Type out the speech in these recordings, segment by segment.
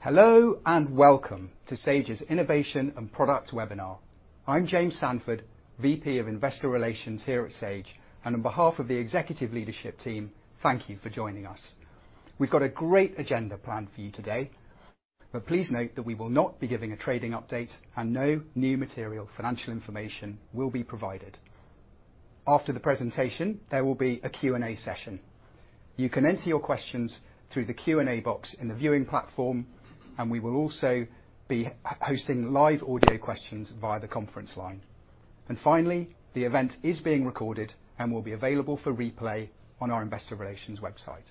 Hello, and welcome to Sage's Innovation and Product Webinar. I'm James Sandford, VP of Investor Relations here at Sage, and on behalf of the executive leadership team, thank you for joining us. We've got a great agenda planned for you today, but please note that we will not be giving a trading update, and no new material financial information will be provided. After the presentation, there will be a Q&A session. You can enter your questions through the Q&A box in the viewing platform, and we will also be hosting live audio questions via the conference line. And finally, the event is being recorded and will be available for replay on our investor relations website.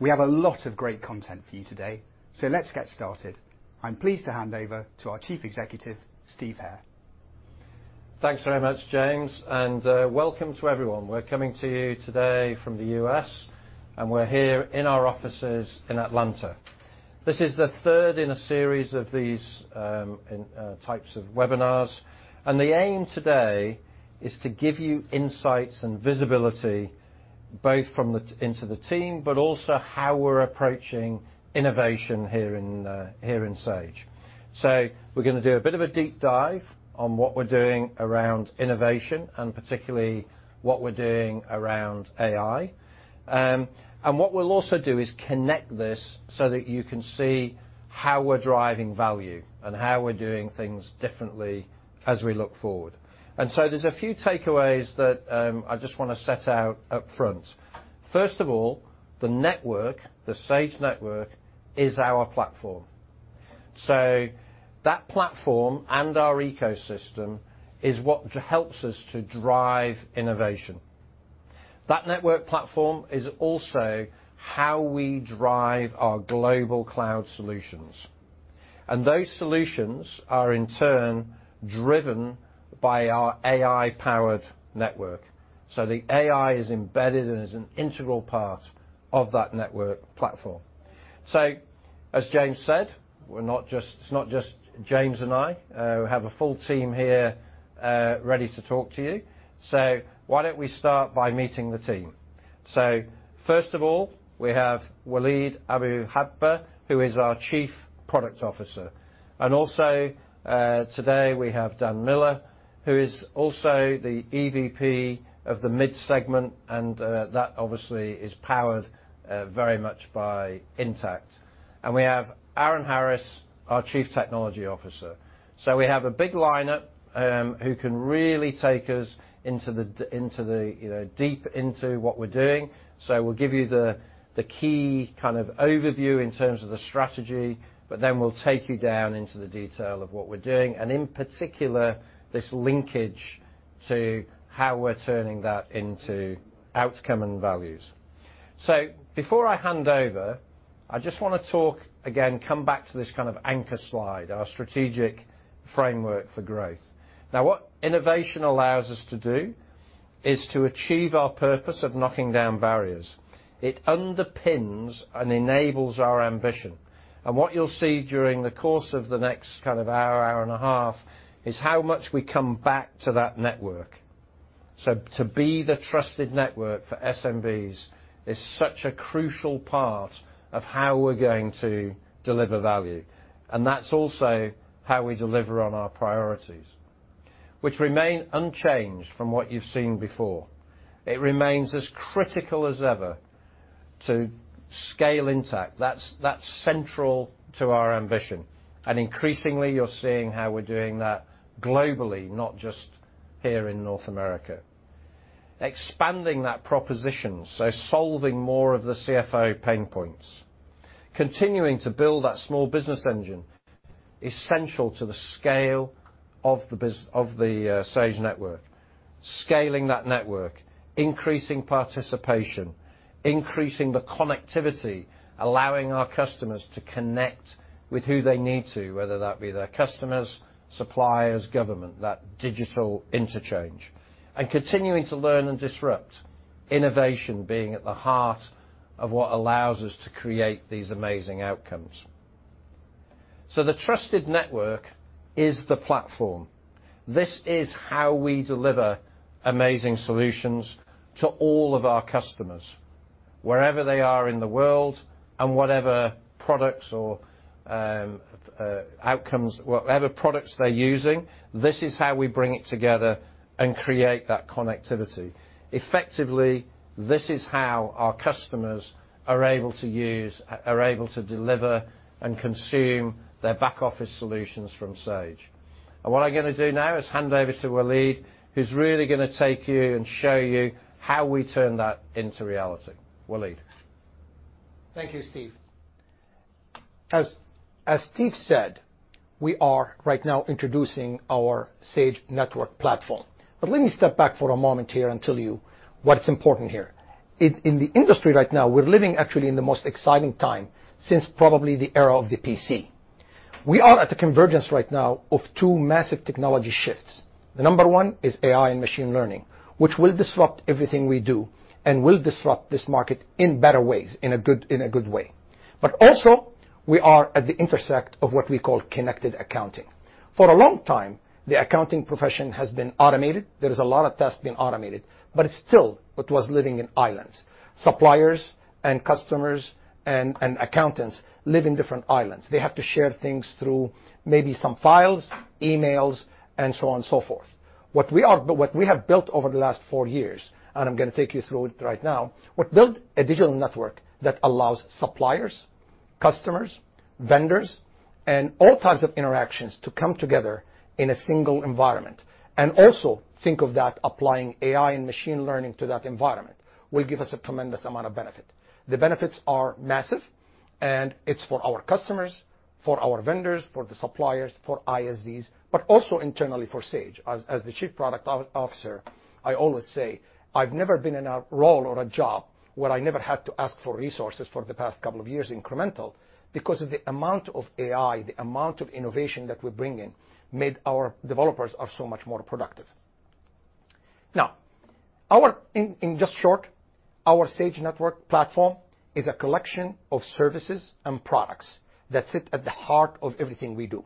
We have a lot of great content for you today, so let's get started. I'm pleased to hand over to our Chief Executive, Steve Hare. Thanks very much, James, and welcome to everyone. We're coming to you today from the U.S., and we're here in our offices in Atlanta. This is the third in a series of these types of webinars, and the aim today is to give you insights and visibility, both into the team, but also how we're approaching innovation here in Sage. So we're gonna do a bit of a deep dive on what we're doing around innovation and particularly what we're doing around AI. And what we'll also do is connect this so that you can see how we're driving value and how we're doing things differently as we look forward. And so there's a few takeaways that I just wanna set out upfront. First of all, the network, the Sage Network, is our platform. So that platform and our ecosystem is what helps us to drive innovation. That network platform is also how we drive our global cloud solutions, and those solutions are in turn driven by our AI-powered network. So the AI is embedded and is an integral part of that network platform. So, as James said, we're not just, it's not just James and I. We have a full team here, ready to talk to you. So why don't we start by meeting the team? So first of all, we have Walid Abu-Hadba, who is our Chief Product Officer, and also, today we have Dan Miller, who is also the EVP of the mid segment, and, that obviously is powered, very much by Intacct. And we have Aaron Harris, our Chief Technology Officer. So we have a big lineup who can really take us into the, you know, deep into what we're doing. So we'll give you the key kind of overview in terms of the strategy, but then we'll take you down into the detail of what we're doing, and in particular, this linkage to how we're turning that into outcome and values. So before I hand over, I just wanna talk again, come back to this kind of anchor slide, our strategic framework for growth. Now, what innovation allows us to do is to achieve our purpose of knocking down barriers. It underpins and enables our ambition, and what you'll see during the course of the next kind of hour, hour and a half, is how much we come back to that network. So to be the trusted network for SMBs is such a crucial part of how we're going to deliver value, and that's also how we deliver on our priorities, which remain unchanged from what you've seen before. It remains as critical as ever to scale Intacct. That's central to our ambition. And increasingly, you're seeing how we're doing that globally, not just here in North America. Expanding that proposition, so solving more of the CFO pain points, continuing to build that small business engine, essential to the scale of the Sage Network, scaling that network, increasing participation, increasing the connectivity, allowing our customers to connect with who they need to, whether that be their customers, suppliers, government, that digital interchange, and continuing to learn and disrupt, innovation being at the heart of what allows us to create these amazing outcomes. So the trusted network is the platform. This is how we deliver amazing solutions to all of our customers. Wherever they are in the world and whatever products or outcomes, whatever products they're using, this is how we bring it together and create that connectivity. Effectively, this is how our customers are able to use, are able to deliver and consume their back-office solutions from Sage. And what I'm gonna do now is hand over to Walid, who's really gonna take you and show you how we turn that into reality. Walid. Thank you, Steve. As Steve said, we are right now introducing our Sage Network Platform. But let me step back for a moment here and tell you what's important here. In the industry right now, we're living actually in the most exciting time since probably the era of the PC. We are at the convergence right now of two massive technology shifts. The number one is AI and machine learning, which will disrupt everything we do and will disrupt this market in better ways, in a good way. But also, we are at the intersect of what we call connected accounting. For a long time, the accounting profession has been automated. There is a lot of tasks being automated, but it's still, it was living in islands. Suppliers and customers and, and accountants live in different islands. They have to share things through maybe some files, emails, and so on and so forth. What we are- what we have built over the last four years, and I'm gonna take you through it right now, we built a digital network that allows suppliers, customers, vendors, and all types of interactions to come together in a single environment. And also think of that applying AI and machine learning to that environment will give us a tremendous amount of benefit. The benefits are massive, and it's for our customers, for our vendors, for the suppliers, for ISVs, but also internally for Sage. As the Chief Product Officer, I always say I've never been in a role or a job where I never had to ask for resources for the past couple of years incremental, because of the amount of AI, the amount of innovation that we're bringing made our developers are so much more productive. Now, in just short, our Sage Network platform is a collection of services and products that sit at the heart of everything we do.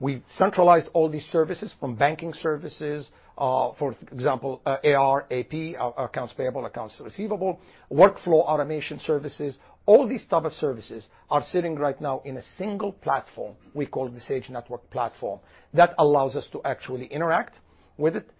We've centralized all these services, from banking services, for example, AR, AP, accounts payable, accounts receivable, workflow automation services. All these type of services are sitting right now in a single platform we call the Sage Network platform, that allows us to actually interact with it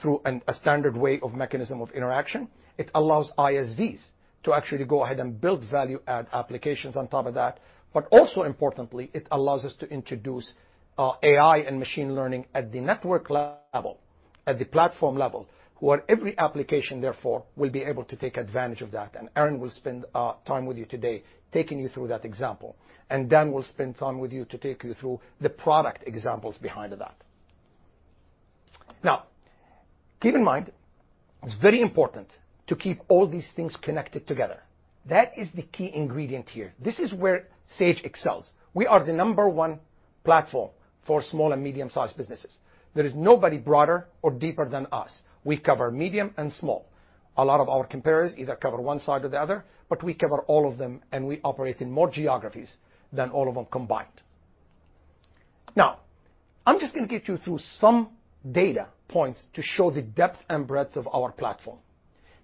through a standard way of mechanism of interaction. It allows ISVs to actually go ahead and build value-add applications on top of that. But also importantly, it allows us to introduce, AI and machine learning at the network level, at the platform level, where every application, therefore, will be able to take advantage of that, and Aaron will spend, time with you today, taking you through that example. And Dan will spend time with you to take you through the product examples behind that. Now, keep in mind, it's very important to keep all these things connected together. That is the key ingredient here. This is where Sage excels. We are the number one platform for small and medium-sized businesses. There is nobody broader or deeper than us. We cover medium and small. A lot of our competitors either cover one side or the other, but we cover all of them, and we operate in more geographies than all of them combined. Now, I'm just gonna get you through some data points to show the depth and breadth of our platform.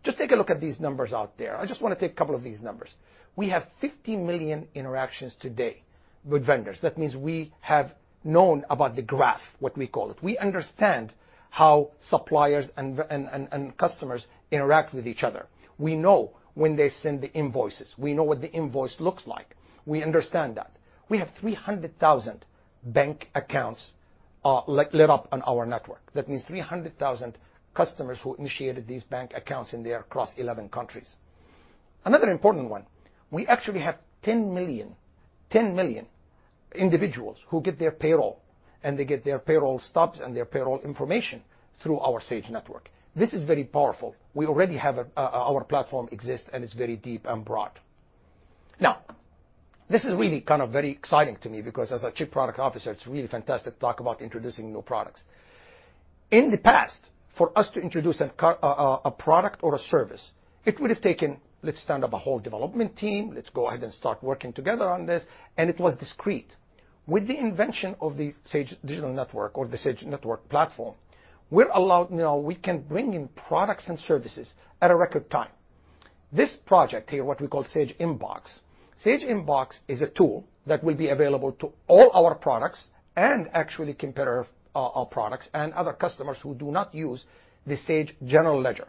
Just take a look at these numbers out there. I just wanna take a couple of these numbers. We have 50 million interactions today with vendors. That means we have known about the graph, what we call it. We understand how suppliers and vendors and customers interact with each other. We know when they send the invoices. We know what the invoice looks like. We understand that. We have 300,000 bank accounts lit up on our network. That means 300,000 customers who initiated these bank accounts in there across 11 countries. Another important one, we actually have 10 million, 10 million individuals who get their payroll, and they get their payroll stubs and their payroll information through our Sage Network. This is very powerful. We already have a... Our platform exists, and it's very deep and broad. Now, this is really kind of very exciting to me because as a Chief Product Officer, it's really fantastic to talk about introducing new products. In the past, for us to introduce a product or a service, it would have taken, "Let's stand up a whole development team. Let's go ahead and start working together on this." And it was discrete. With the invention of the Sage Digital Network or the Sage Network platform, we're allowed now, we can bring in products and services at a record time. This project here, what we call Sage Inbox. Sage Inbox is a tool that will be available to all our products and actually competitor products and other customers who do not use the Sage general ledger.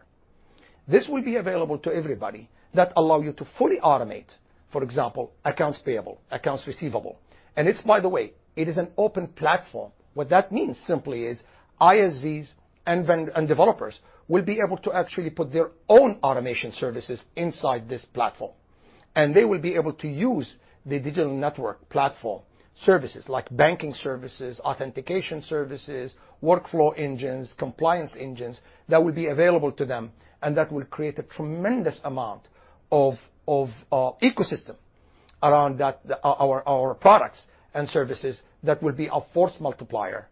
This will be available to everybody, that allow you to fully automate, for example, accounts payable, accounts receivable. And it's, by the way, it is an open platform. What that means simply is ISVs and vendors and developers will be able to actually put their own automation services inside this platform, and they will be able to use the digital network platform, services like banking services, authentication services, workflow engines, compliance engines, that will be available to them, and that will create a tremendous amount of ecosystem around that, our products and services that will be a force multiplier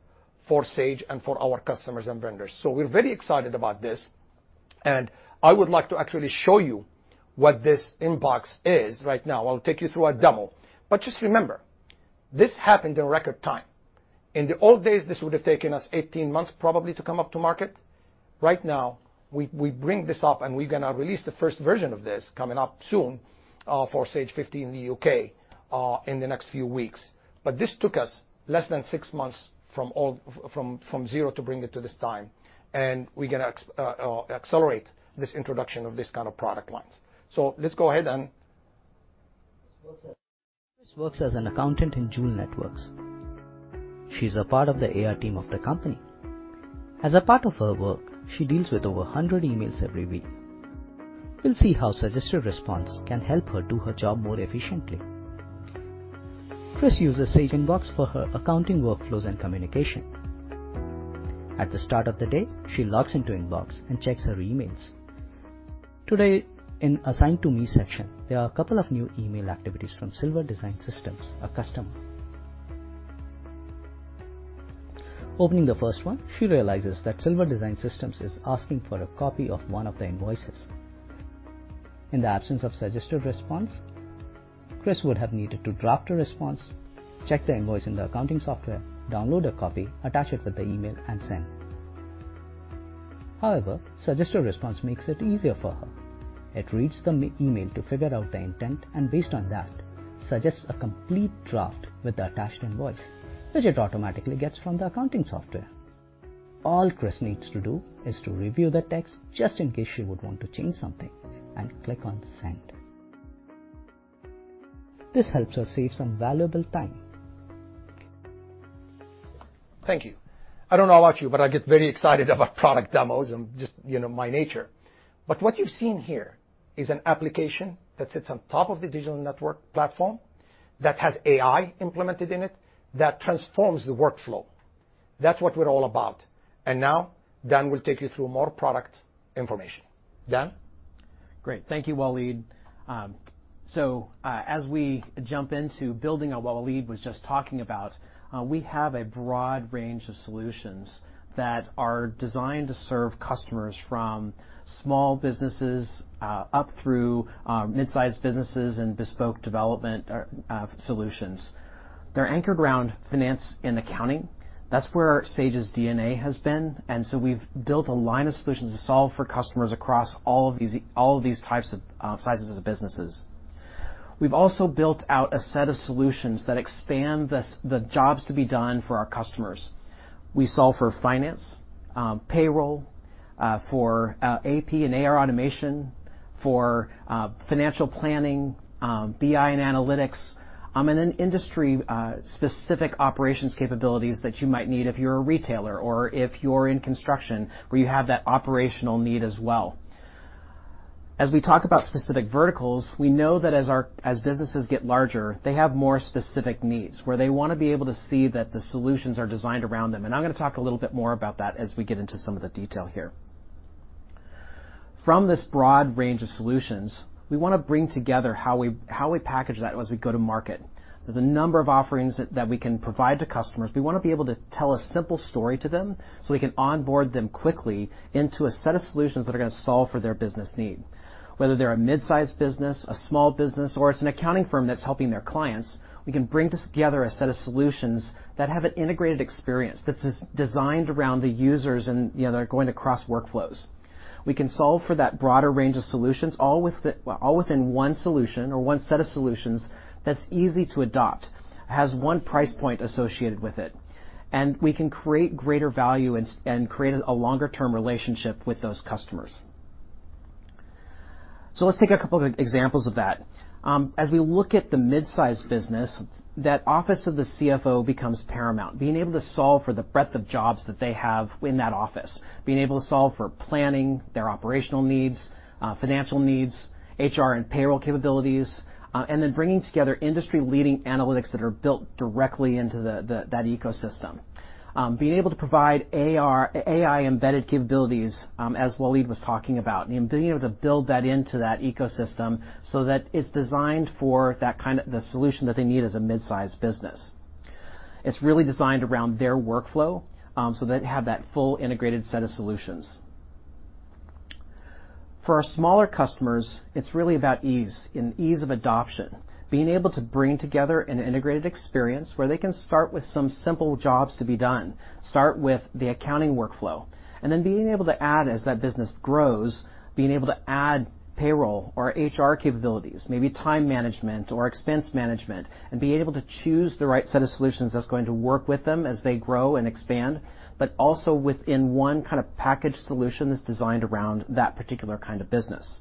for Sage and for our customers and vendors. So we're very excited about this, and I would like to actually show you what this Inbox is right now. I'll take you through a demo. But just remember, this happened in record time. In the old days, this would have taken us 18 months, probably, to come up to market. Right now, we bring this up, and we're gonna release the first version of this coming up soon, for Sage 50 in the U.K., in the next few weeks. But this took us less than six months from zero to bring it to this time, and we're gonna accelerate this introduction of this kind of product lines. So let's go ahead and- Chris works as an accountant in Joule Networks. She's a part of the AR team of the company. As a part of her work, she deals with over 100 emails every week. We'll see how Suggested Response can help her do her job more efficiently. Chris uses Sage Inbox for her accounting workflows and communication. At the start of the day, she logs into Inbox and checks her emails. Today, in Assigned to Me section, there are a couple of new email activities from Silver Design Systems, a customer. Opening the first one, she realizes that Silver Design Systems is asking for a copy of one of the invoices. In the absence of suggested response, Chris would have needed to draft a response, check the invoice in the accounting software, download a copy, attach it with the email, and send. However, Suggested Response makes it easier for her. It reads the email to figure out the intent, and based on that, suggests a complete draft with the attached invoice, which it automatically gets from the accounting software. All Chris needs to do is to review the text, just in case she would want to change something, and click on Send. This helps her save some valuable time. Thank you. I don't know about you, but I get very excited about product demos and just, you know, my nature. But what you've seen here is an application that sits on top of the digital network platform, that has AI implemented in it, that transforms the workflow. That's what we're all about. And now, Dan will take you through more product information. Dan? Great. Thank you, Walid. So, as we jump into building on what Walid was just talking about, we have a broad range of solutions that are designed to serve customers from small businesses, up through, mid-sized businesses and bespoke development, solutions. They're anchored around finance and accounting. That's where Sage's DNA has been, and so we've built a line of solutions to solve for customers across all of these, all of these types of, sizes of businesses. We've also built out a set of solutions that expand this, the jobs to be done for our customers. We solve for finance, payroll, for, AP and AR automation, for, financial planning, BI and analytics, and then industry, specific operations capabilities that you might need if you're a retailer or if you're in construction, where you have that operational need as well. As we talk about specific verticals, we know that as businesses get larger, they have more specific needs, where they wanna be able to see that the solutions are designed around them. And I'm gonna talk a little bit more about that as we get into some of the detail here. From this broad range of solutions, we wanna bring together how we package that as we go to market. There's a number of offerings that we can provide to customers. We wanna be able to tell a simple story to them, so we can onboard them quickly into a set of solutions that are gonna solve for their business need. Whether they're a mid-sized business, a small business, or it's an accounting firm that's helping their clients, we can bring together a set of solutions that have an integrated experience that is designed around the users, and, you know, they're going to cross workflows. We can solve for that broader range of solutions, all with- all within one solution or one set of solutions that's easy to adopt, has one price point associated with it, and we can create greater value and s- and create a longer-term relationship with those customers. So let's take a couple of examples of that. As we look at the mid-size business, that office of the CFO becomes paramount. Being able to solve for the breadth of jobs that they have in that office, being able to solve for planning, their operational needs, financial needs, HR and payroll capabilities, and then bringing together industry-leading analytics that are built directly into the ecosystem. Being able to provide AR, AI-embedded capabilities, as Walid was talking about, and being able to build that into that ecosystem so that it's designed for that kind of the solution that they need as a mid-sized business. It's really designed around their workflow, so they have that full integrated set of solutions. For our smaller customers, it's really about ease and ease of adoption. Being able to bring together an integrated experience where they can start with some simple jobs to be done, start with the accounting workflow, and then being able to add as that business grows, being able to add payroll or HR capabilities, maybe time management or expense management, and being able to choose the right set of solutions that's going to work with them as they grow and expand, but also within one kind of packaged solution that's designed around that particular kind of business.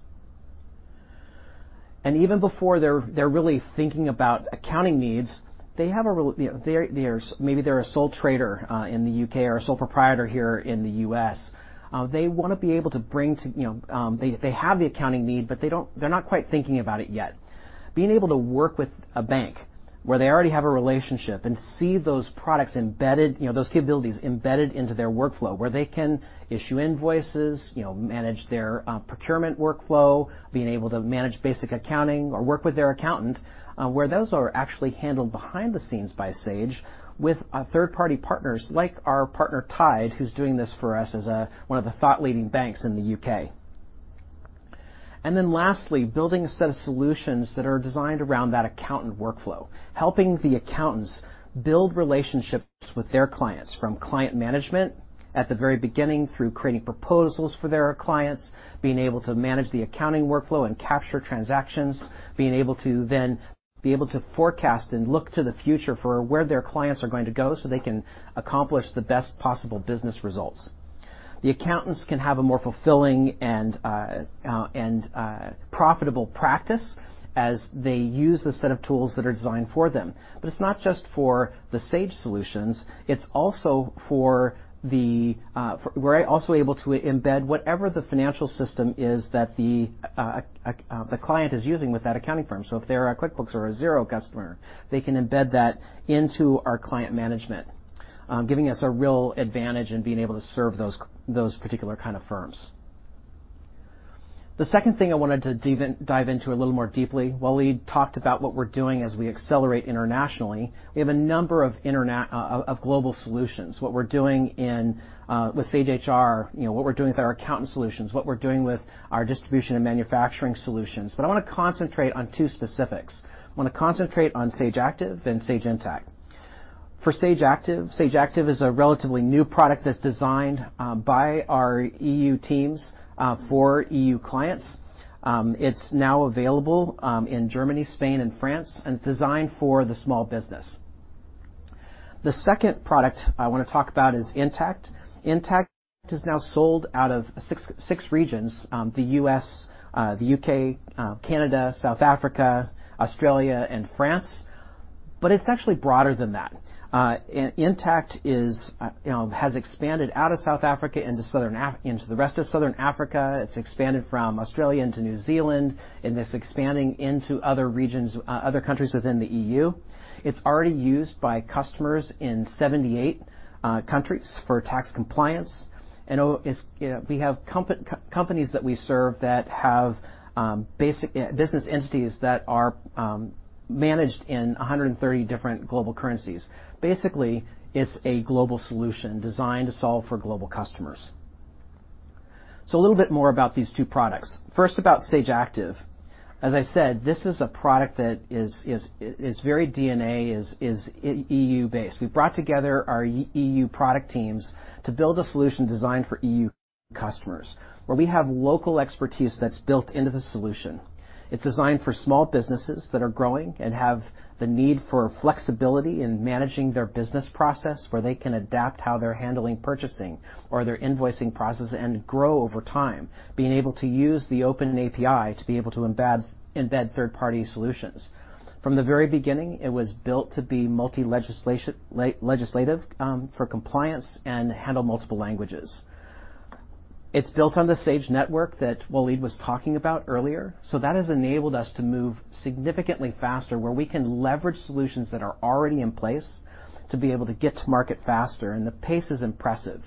And even before they're really thinking about accounting needs, they have, you know, maybe they're a sole trader in the U.K. or a sole proprietor here in the U.S. They wanna be able to bring to, you know... They have the accounting need, but they're not quite thinking about it yet. Being able to work with a bank where they already have a relationship and see those products embedded, you know, those capabilities embedded into their workflow, where they can issue invoices, you know, manage their procurement workflow, being able to manage basic accounting or work with their accountant, where those are actually handled behind the scenes by Sage with third-party partners, like our partner, Tide, who's doing this for us as one of the thought-leading banks in the U.K. And then lastly, building a set of solutions that are designed around that accountant workflow, helping the accountants build relationships with their clients, from client management at the very beginning, through creating proposals for their clients, being able to manage the accounting workflow and capture transactions, being able to then forecast and look to the future for where their clients are going to go so they can accomplish the best possible business results. The accountants can have a more fulfilling and profitable practice as they use the set of tools that are designed for them. But it's not just for the Sage solutions, it's also for the. We're also able to embed whatever the financial system is that the client is using with that accounting firm. So if they're a QuickBooks or a Xero customer, they can embed that into our client management, giving us a real advantage in being able to serve those those particular kind of firms. The second thing I wanted to dive in, dive into a little more deeply, Walid talked about what we're doing as we accelerate internationally. We have a number of of global solutions, what we're doing in, with Sage HR, you know, what we're doing with our accounting solutions, what we're doing with our distribution and manufacturing solutions. But I wanna concentrate on two specifics. I wanna concentrate on Sage Active and Sage Intacct. For Sage Active, Sage Active is a relatively new product that's designed, by our EU teams, for EU clients. It's now available, in Germany, Spain, and France, and it's designed for the small business. The second product I wanna talk about is Intacct. Intacct is now sold out of six regions, the U.S., the U.K., Canada, South Africa, Australia, and France, but it's actually broader than that. Intacct is, you know, has expanded out of South Africa into the rest of Southern Africa. It's expanded from Australia into New Zealand, and it's expanding into other regions, other countries within the EU. It's already used by customers in 78 countries for tax compliance, and, it's, you know, we have companies that we serve that have, basic, business entities that are, managed in 130 different global currencies. Basically, it's a global solution designed to solve for global customers. So a little bit more about these two products. First, about Sage Active. As I said, this is a product that is its very DNA is EU-based. We've brought together our EU product teams to build a solution designed for EU customers, where we have local expertise that's built into the solution. It's designed for small businesses that are growing and have the need for flexibility in managing their business process, where they can adapt how they're handling purchasing or their invoicing process and grow over time, being able to use the open API to be able to embed third-party solutions. From the very beginning, it was built to be multi-legislative for compliance and handle multiple languages. It's built on the Sage Network that Walid was talking about earlier, so that has enabled us to move significantly faster, where we can leverage solutions that are already in place to be able to get to market faster, and the pace is impressive,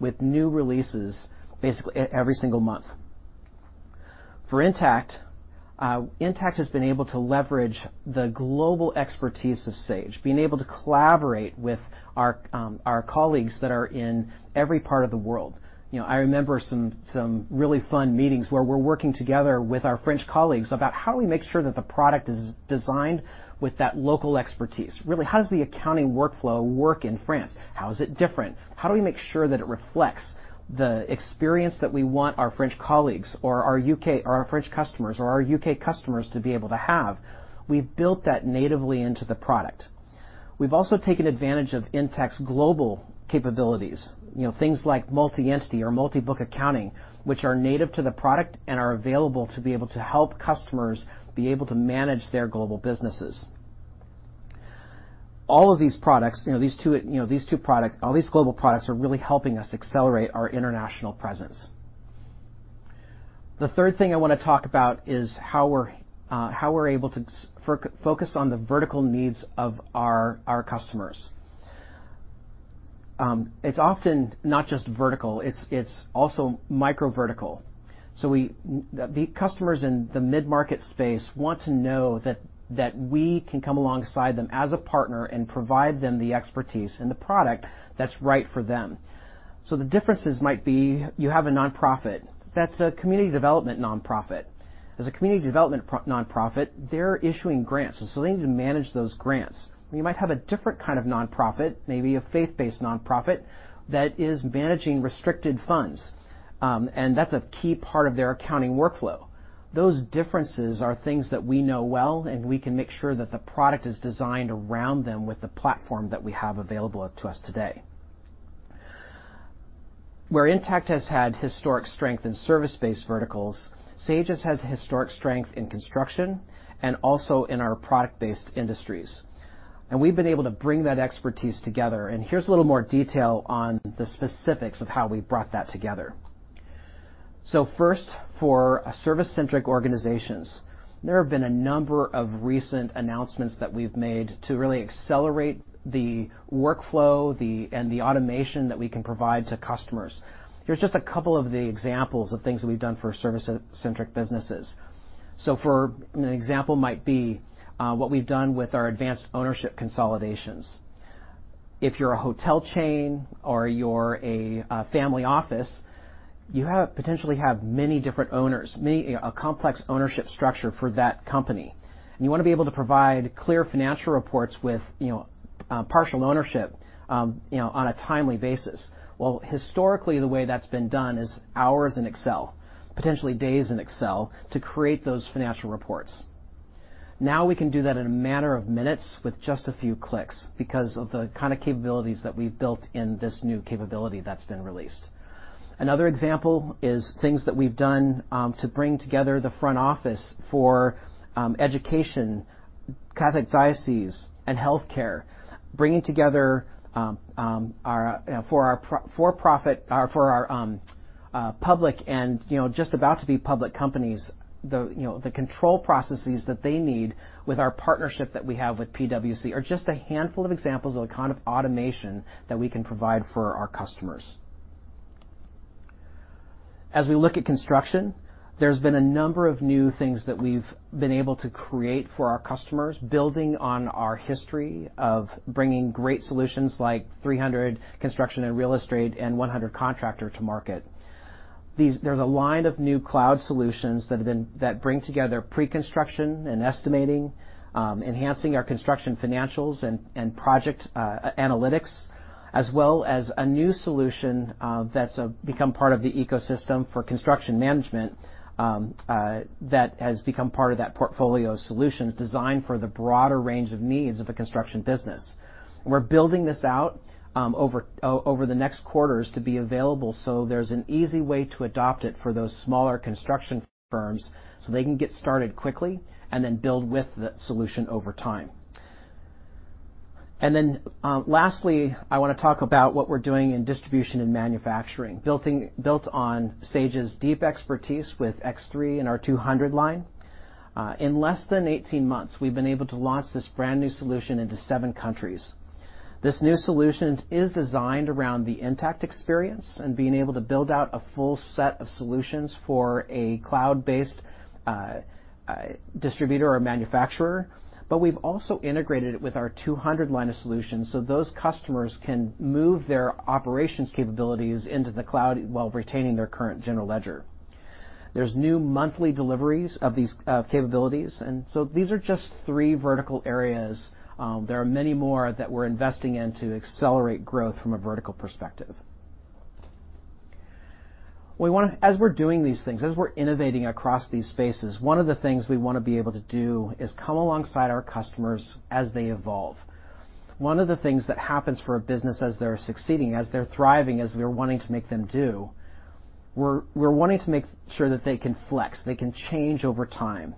with new releases basically every single month. For Intacct, Intacct has been able to leverage the global expertise of Sage, being able to collaborate with our, our colleagues that are in every part of the world. You know, I remember some really fun meetings where we're working together with our French colleagues about how do we make sure that the product is designed with that local expertise? Really, how does the accounting workflow work in France? How is it different? How do we make sure that it reflects the experience that we want our French colleagues or our U.K.-- or our French customers or our U.K. customers to be able to have? We've built that natively into the product. We've also taken advantage of Intacct's global capabilities, you know, things like multi-entity or multi-book accounting, which are native to the product and are available to be able to help customers be able to manage their global businesses. All of these products, you know, these two, you know, these two product-- all these global products are really helping us accelerate our international presence. The third thing I wanna talk about is how we're able to focus on the vertical needs of our, our customers. It's often not just vertical, it's also micro-vertical. So we... The customers in the mid-market space want to know that, that we can come alongside them as a partner and provide them the expertise and the product that's right for them. So the differences might be, you have a nonprofit, that's a community development nonprofit. As a community development nonprofit, they're issuing grants, and so they need to manage those grants. You might have a different kind of nonprofit, maybe a faith-based nonprofit, that is managing restricted funds, and that's a key part of their accounting workflow. Those differences are things that we know well, and we can make sure that the product is designed around them with the platform that we have available up to us today. Where Intacct has had historic strength in service-based verticals, Sage has had historic strength in construction and also in our product-based industries, and we've been able to bring that expertise together, and here's a little more detail on the specifics of how we've brought that together. So first, for service-centric organizations, there have been a number of recent announcements that we've made to really accelerate the workflow and the automation that we can provide to customers. Here's just a couple of the examples of things that we've done for service-centric businesses. So for an example might be what we've done with our Advanced Ownership Consolidations. If you're a hotel chain or you're a family office, you have, potentially have many different owners, many, a complex ownership structure for that company, and you wanna be able to provide clear financial reports with, you know, partial ownership, you know, on a timely basis. Well, historically, the way that's been done is hours in Excel, potentially days in Excel, to create those financial reports. Now, we can do that in a matter of minutes with just a few clicks because of the kind of capabilities that we've built in this new capability that's been released. Another example is things that we've done to bring together the front office for education, Catholic Dioceses, and healthcare, bringing together our for our for-profit or for our public and, you know, just about to be public companies, the, you know, the control processes that they need with our partnership that we have with PwC, are just a handful of examples of the kind of automation that we can provide for our customers. As we look at construction, there's been a number of new things that we've been able to create for our customers, building on our history of bringing great solutions like 300 Construction and Real Estate and 100 Contractor to market. There's a line of new cloud solutions that bring together pre-construction and estimating, enhancing our construction financials and project analytics, as well as a new solution that's become part of the ecosystem for construction management that has become part of that portfolio of solutions designed for the broader range of needs of a construction business. We're building this out over the next quarters to be available, so there's an easy way to adopt it for those smaller construction firms, so they can get started quickly and then build with the solution over time. And then lastly, I wanna talk about what we're doing in distribution and manufacturing, built on Sage's deep expertise with X3 and our 200 line. In less than 18 months, we've been able to launch this brand-new solution into seven countries. This new solution is designed around the Intacct experience and being able to build out a full set of solutions for a cloud-based distributor or manufacturer, but we've also integrated it with our 200 line of solutions, so those customers can move their operations capabilities into the cloud while retaining their current general ledger. There's new monthly deliveries of these capabilities, and so these are just three vertical areas. There are many more that we're investing in to accelerate growth from a vertical perspective. We wanna. As we're doing these things, as we're innovating across these spaces, one of the things we wanna be able to do is come alongside our customers as they evolve. One of the things that happens for a business as they're succeeding, as they're thriving, as we're wanting to make them do, we're wanting to make sure that they can flex, they can change over time.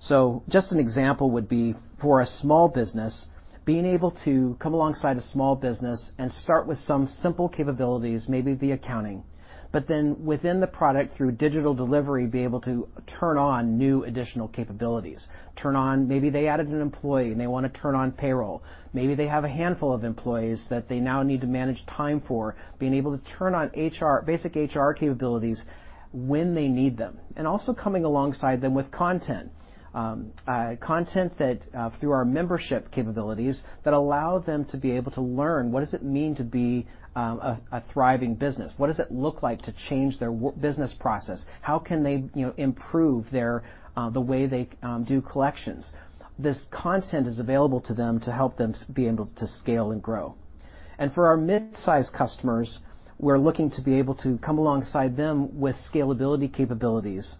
So just an example would be, for a small business, being able to come alongside a small business and start with some simple capabilities, maybe the accounting, but then within the product, through digital delivery, be able to turn on new additional capabilities. Turn on... Maybe they added an employee, and they wanna turn on payroll. Maybe they have a handful of employees that they now need to manage time for, being able to turn on HR, basic HR capabilities when they need them, and also coming alongside them with content. Content that, through our membership capabilities, that allow them to be able to learn what does it mean to be a thriving business? What does it look like to change their business process? How can they, you know, improve their the way they do collections? This content is available to them to help them to be able to scale and grow. And for our midsize customers, we're looking to be able to come alongside them with scalability capabilities.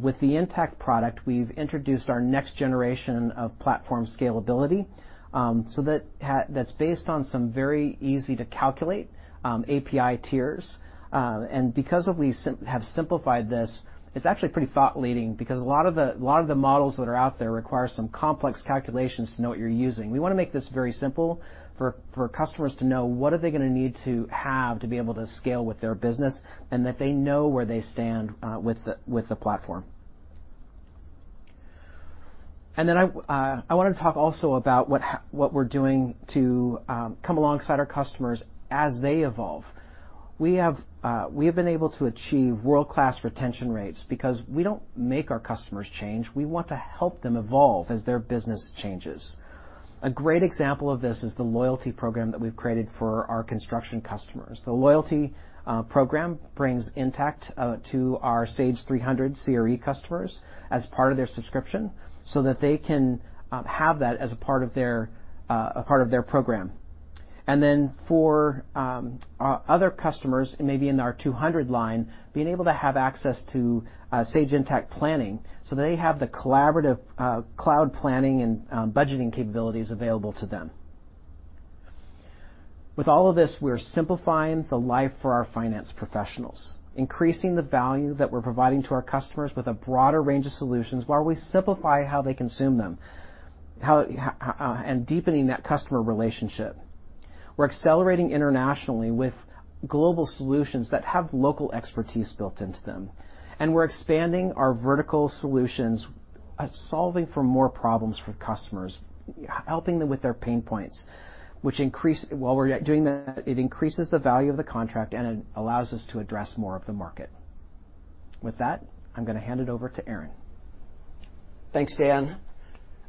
With the Intacct product, we've introduced our next generation of platform scalability, so that's based on some very easy-to-calculate API tiers. And because we have simplified this, it's actually pretty thought-leading, because a lot of the models that are out there require some complex calculations to know what you're using. We wanna make this very simple for customers to know what are they gonna need to have to be able to scale with their business, and that they know where they stand with the platform. Then I wanna talk also about what we're doing to come alongside our customers as they evolve. We have been able to achieve world-class retention rates because we don't make our customers change. We want to help them evolve as their business changes. A great example of this is the loyalty program that we've created for our construction customers. The loyalty program brings Intacct to our Sage 300 CRE customers as part of their subscription so that they can have that as a part of their program. And then for our other customers, maybe in our 200 line, being able to have access to Sage Intacct Planning, so they have the collaborative cloud planning and budgeting capabilities available to them. With all of this, we're simplifying the life for our finance professionals, increasing the value that we're providing to our customers with a broader range of solutions while we simplify how they consume them, how and deepening that customer relationship. We're accelerating internationally with global solutions that have local expertise built into them. And we're expanding our vertical solutions, solving for more problems for customers, helping them with their pain points, which increase. While we're doing that, it increases the value of the contract, and it allows us to address more of the market. With that, I'm gonna hand it over to Aaron. Thanks, Dan.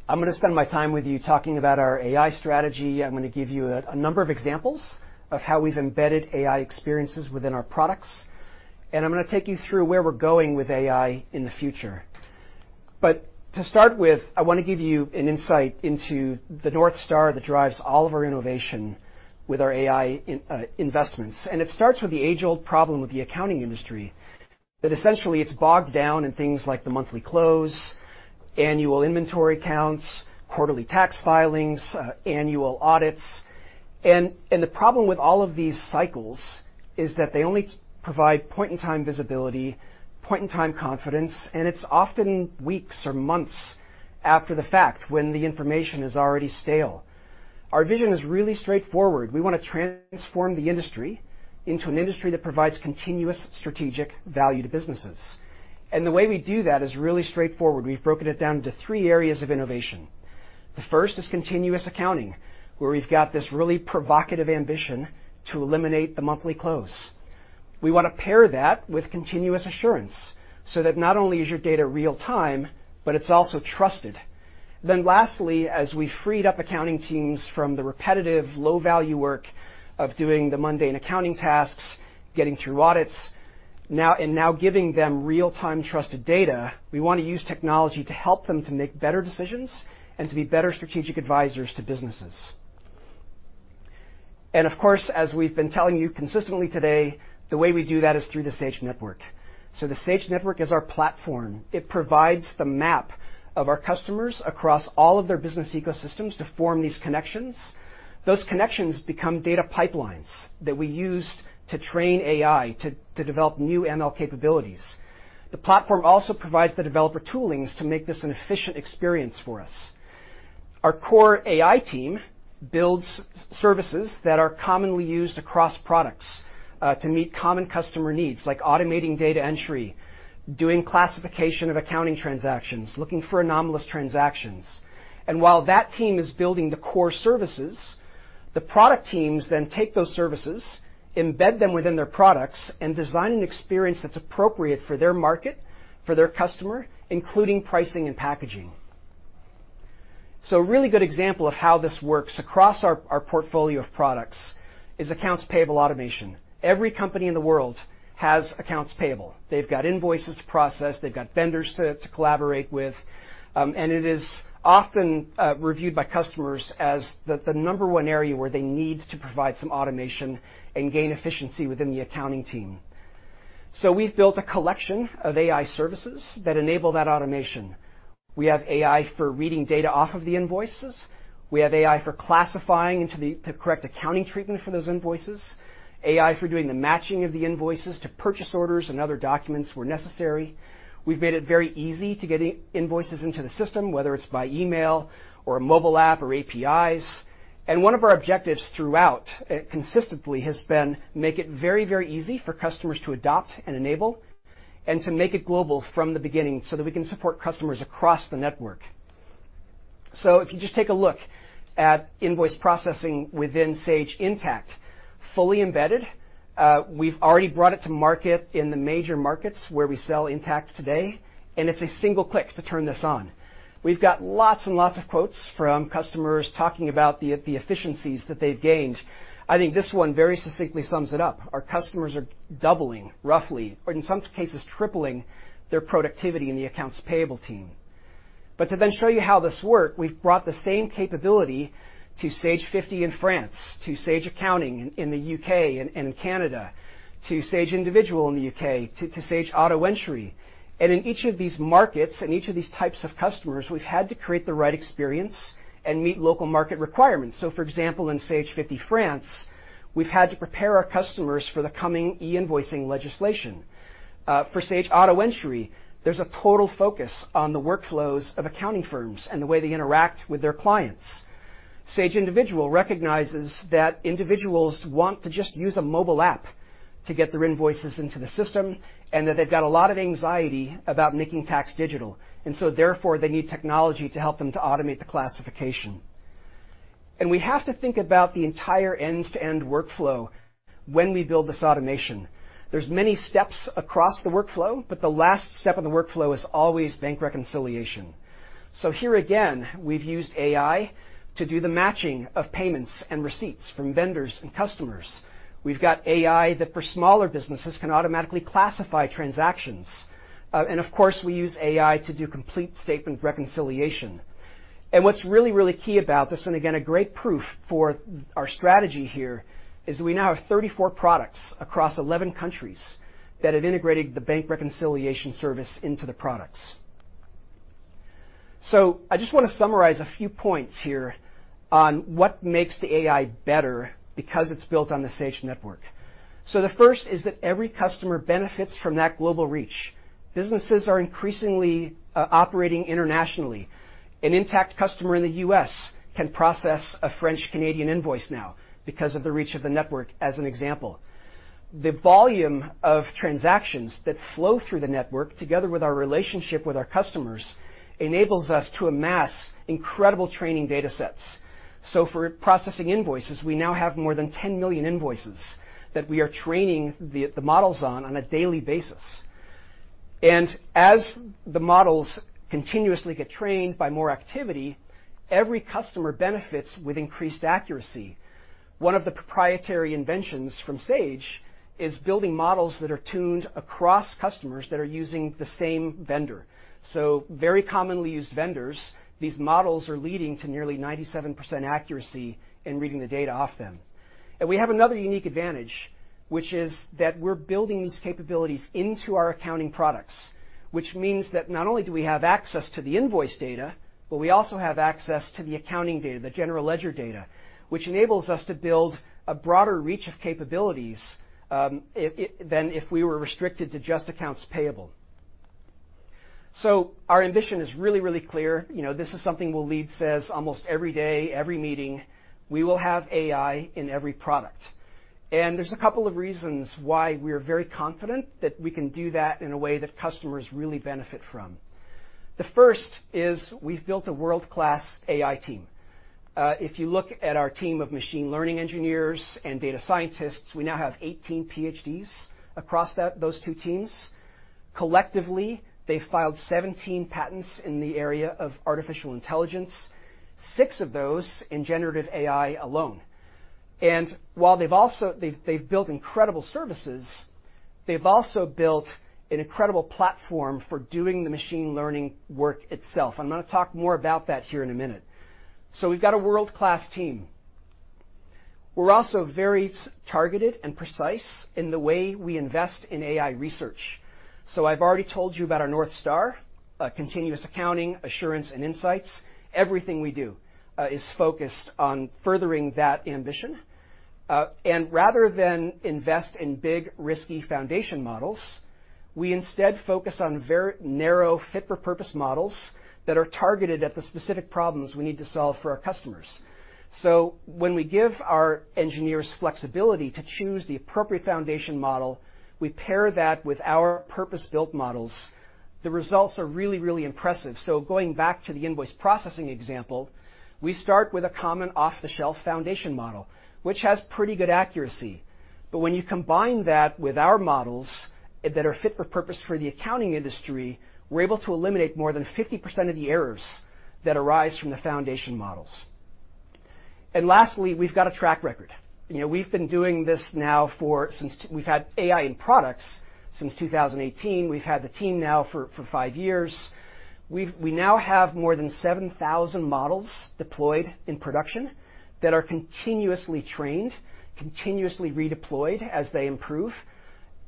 I'm gonna spend my time with you talking about our AI strategy. I'm gonna give you a number of examples of how we've embedded AI experiences within our products, and I'm gonna take you through where we're going with AI in the future. But to start with, I wanna give you an insight into the North Star that drives all of our innovation with our AI investments. And it starts with the age-old problem with the accounting industry, that essentially, it's bogged down in things like the monthly close, annual inventory counts, quarterly tax filings, annual audits. And the problem with all of these cycles is that they only provide point-in-time visibility, point-in-time confidence, and it's often weeks or months after the fact when the information is already stale. Our vision is really straightforward. We wanna transform the industry into an industry that provides continuous strategic value to businesses. The way we do that is really straightforward. We've broken it down into three areas of innovation. The first is continuous accounting, where we've got this really provocative ambition to eliminate the monthly close. We want to pair that with continuous assurance, so that not only is your data real-time, but it's also trusted. Then lastly, as we freed up accounting teams from the repetitive, low-value work of doing the mundane accounting tasks, getting through audits, now giving them real-time trusted data, we want to use technology to help them to make better decisions and to be better strategic advisors to businesses. Of course, as we've been telling you consistently today, the way we do that is through the Sage Network. So the Sage Network is our platform. It provides the map of our customers across all of their business ecosystems to form these connections. Those connections become data pipelines that we use to train AI to develop new ML capabilities. The platform also provides the developer toolings to make this an efficient experience for us. Our core AI team builds services that are commonly used across products to meet common customer needs, like automating data entry, doing classification of accounting transactions, looking for anomalous transactions. And while that team is building the core services, the product teams then take those services, embed them within their products, and design an experience that's appropriate for their market, for their customer, including pricing and packaging. So a really good example of how this works across our portfolio of products is accounts payable automation. Every company in the world has accounts payable. They've got invoices to process, they've got vendors to collaborate with, and it is often reviewed by customers as the number one area where they need to provide some automation and gain efficiency within the accounting team. So we've built a collection of AI services that enable that automation. We have AI for reading data off of the invoices, we have AI for classifying into the correct accounting treatment for those invoices, AI for doing the matching of the invoices to purchase orders and other documents where necessary. We've made it very easy to get invoices into the system, whether it's by email or a mobile app or APIs. And one of our objectives throughout, consistently, has been make it very, very easy for customers to adopt and enable, and to make it global from the beginning so that we can support customers across the network. So if you just take a look at invoice processing within Sage Intacct, fully embedded, we've already brought it to market in the major markets where we sell Intacct today, and it's a single click to turn this on. We've got lots and lots of quotes from customers talking about the, the efficiencies that they've gained. I think this one very succinctly sums it up. Our customers are doubling, roughly, or in some cases, tripling their productivity in the accounts payable team. But to then show you how this work, we've brought the same capability to Sage 50 in France, to Sage Accounting in the U.K. and Canada, to Sage Individual in the U.K., to Sage AutoEntry. And in each of these markets, in each of these types of customers, we've had to create the right experience and meet local market requirements. So for example, in Sage 50 France, we've had to prepare our customers for the coming e-invoicing legislation. For Sage AutoEntry, there's a total focus on the workflows of accounting firms and the way they interact with their clients. Sage Individual recognizes that individuals want to just use a mobile app to get their invoices into the system, and that they've got a lot of anxiety about Making Tax Digital, and so therefore, they need technology to help them to automate the classification. We have to think about the entire end-to-end workflow when we build this automation. There's many steps across the workflow, but the last step of the workflow is always bank reconciliation. So here again, we've used AI to do the matching of payments and receipts from vendors and customers. We've got AI that, for smaller businesses, can automatically classify transactions. And of course, we use AI to do complete statement reconciliation. And what's really, really key about this, and again, a great proof for our strategy here, is we now have 34 products across 11 countries that have integrated the bank reconciliation service into the products. So I just want to summarize a few points here on what makes the AI better because it's built on the Sage Network. So the first is that every customer benefits from that global reach. Businesses are increasingly operating internationally. An Intacct customer in the U.S. can process a French Canadian invoice now because of the reach of the network, as an example. The volume of transactions that flow through the network, together with our relationship with our customers, enables us to amass incredible training datasets. So for processing invoices, we now have more than 10 million invoices that we are training the models on a daily basis. As the models continuously get trained by more activity, every customer benefits with increased accuracy. One of the proprietary inventions from Sage is building models that are tuned across customers that are using the same vendor. So very commonly used vendors, these models are leading to nearly 97% accuracy in reading the data off them. And we have another unique advantage, which is that we're building these capabilities into our accounting products, which means that not only do we have access to the invoice data, but we also have access to the accounting data, the general ledger data, which enables us to build a broader reach of capabilities than if we were restricted to just accounts payable. So our ambition is really, really clear. You know, this is something Steve says almost every day, every meeting, we will have AI in every product. And there's a couple of reasons why we are very confident that we can do that in a way that customers really benefit from. The first is we've built a world-class AI team. If you look at our team of machine learning engineers and data scientists, we now have 18 PhDs across those two teams. Collectively, they've filed 17 patents in the area of artificial intelligence, six of those in generative AI alone. While they've also built incredible services, they've also built an incredible platform for doing the machine learning work itself. I'm gonna talk more about that here in a minute. So we've got a world-class team. We're also very targeted and precise in the way we invest in AI research. So I've already told you about our North Star, continuous accounting, assurance, and insights. Everything we do is focused on furthering that ambition. And rather than invest in big, risky foundation models, we instead focus on very narrow, fit-for-purpose models that are targeted at the specific problems we need to solve for our customers. So when we give our engineers flexibility to choose the appropriate foundation model, we pair that with our purpose-built models, the results are really, really impressive. So going back to the invoice processing example, we start with a common off-the-shelf foundation model, which has pretty good accuracy. But when you combine that with our models that are fit for purpose for the accounting industry, we're able to eliminate more than 50% of the errors that arise from the foundation models. And lastly, we've got a track record. You know, we've been doing this now for... Since we've had AI in products since 2018. We've had the team now for, for five years. We've- we now have more than 7,000 models deployed in production that are continuously trained, continuously redeployed as they improve,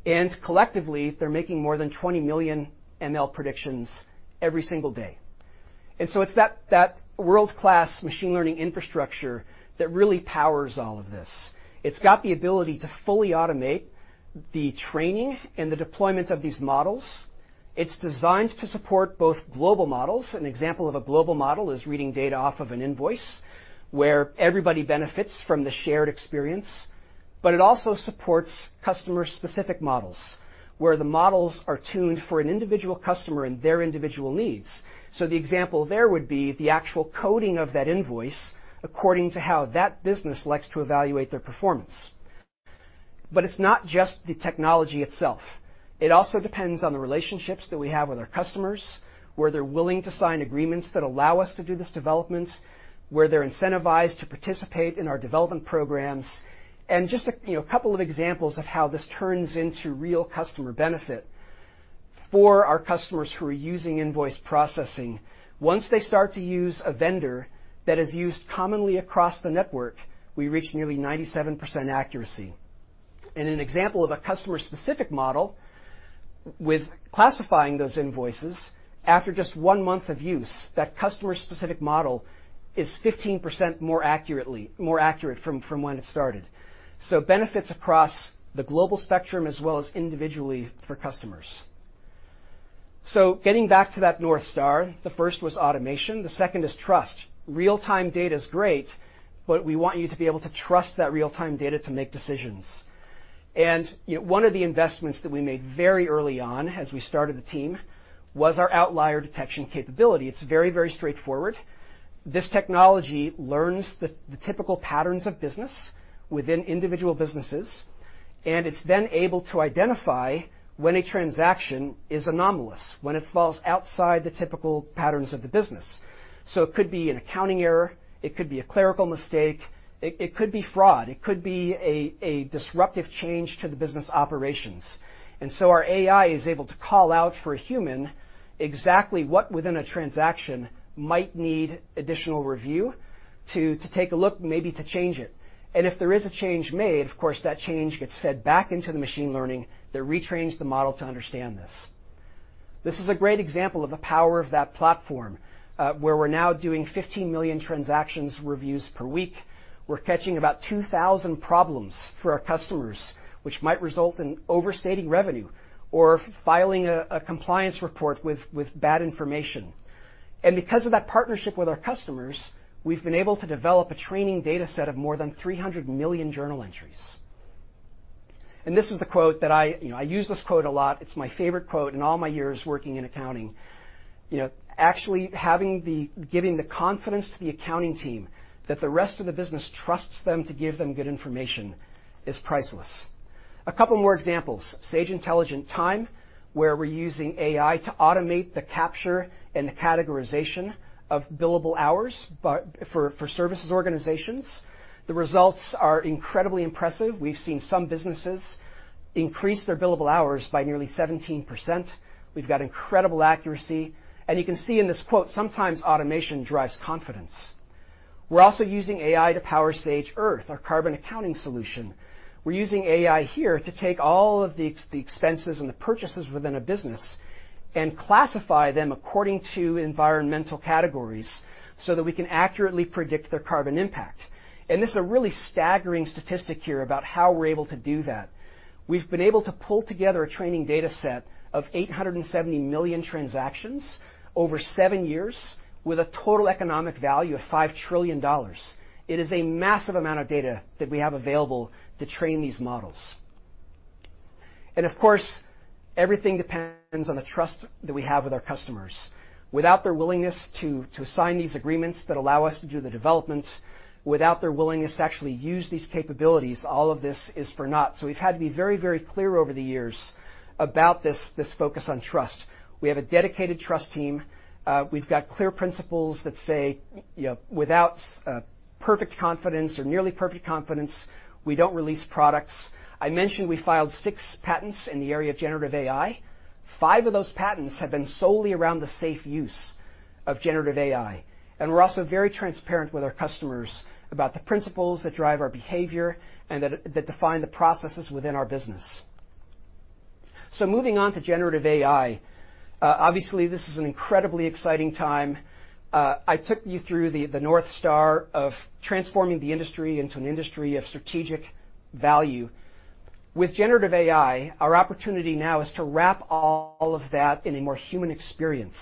and collectively, they're making more than 20 million ML predictions every single day. And so it's that world-class machine learning infrastructure that really powers all of this. It's got the ability to fully automate the training and the deployment of these models. It's designed to support both global models. An example of a global model is reading data off of an invoice, where everybody benefits from the shared experience, but it also supports customer-specific models, where the models are tuned for an individual customer and their individual needs. So the example there would be the actual coding of that invoice according to how that business likes to evaluate their performance. But it's not just the technology itself. It also depends on the relationships that we have with our customers, where they're willing to sign agreements that allow us to do this development, where they're incentivized to participate in our development programs. Just a, you know, couple of examples of how this turns into real customer benefit. For our customers who are using invoice processing, once they start to use a vendor that is used commonly across the network, we reach nearly 97% accuracy. And an example of a customer-specific model with classifying those invoices, after just one month of use, that customer-specific model is 15% more accurately, more accurate from, from when it started. So benefits across the global spectrum as well as individually for customers. So getting back to that North Star, the first was automation, the second is trust. Real-time data is great, but we want you to be able to trust that real-time data to make decisions. And, you know, one of the investments that we made very early on as we started the team was our Outlier Detection capability. It's very, very straightforward. This technology learns the typical patterns of business within individual businesses, and it's then able to identify when a transaction is anomalous, when it falls outside the typical patterns of the business. So it could be an accounting error, it could be a clerical mistake, it could be fraud, it could be a disruptive change to the business operations. And so our AI is able to call out for a human exactly what within a transaction might need additional review, to take a look, maybe to change it. And if there is a change made, of course, that change gets fed back into the machine learning that retrains the model to understand this. This is a great example of the power of that platform, where we're now doing 15 million transaction reviews per week. We're catching about 2,000 problems for our customers, which might result in overstating revenue or filing a compliance report with bad information. And because of that partnership with our customers, we've been able to develop a training data set of more than 300 million journal entries. And this is the quote that I... You know, I use this quote a lot. It's my favorite quote in all my years working in accounting. You know, actually giving the confidence to the accounting team that the rest of the business trusts them to give them good information is priceless. A couple more examples: Sage Intelligent Time, where we're using AI to automate the capture and the categorization of billable hours, but for services organizations. The results are incredibly impressive. We've seen some businesses increase their billable hours by nearly 17%. We've got incredible accuracy, and you can see in this quote, sometimes automation drives confidence. We're also using AI to power Sage Earth, our carbon accounting solution. We're using AI here to take all of the expenses and the purchases within a business and classify them according to environmental categories so that we can accurately predict their carbon impact. This is a really staggering statistic here about how we're able to do that. We've been able to pull together a training data set of 870 million transactions over seven years with a total economic value of $5 trillion. It is a massive amount of data that we have available to train these models. Of course, everything depends on the trust that we have with our customers. Without their willingness to sign these agreements that allow us to do the development, without their willingness to actually use these capabilities, all of this is for naught. So we've had to be very, very clear over the years about this focus on trust. We have a dedicated trust team. We've got clear principles that say, you know, without perfect confidence or nearly perfect confidence, we don't release products. I mentioned we filed six patents in the area of generative AI. Five of those patents have been solely around the safe use of generative AI, and we're also very transparent with our customers about the principles that drive our behavior and that define the processes within our business. So moving on to generative AI, obviously, this is an incredibly exciting time. I took you through the, the North Star of transforming the industry into an industry of strategic value. With generative AI, our opportunity now is to wrap all of that in a more human experience.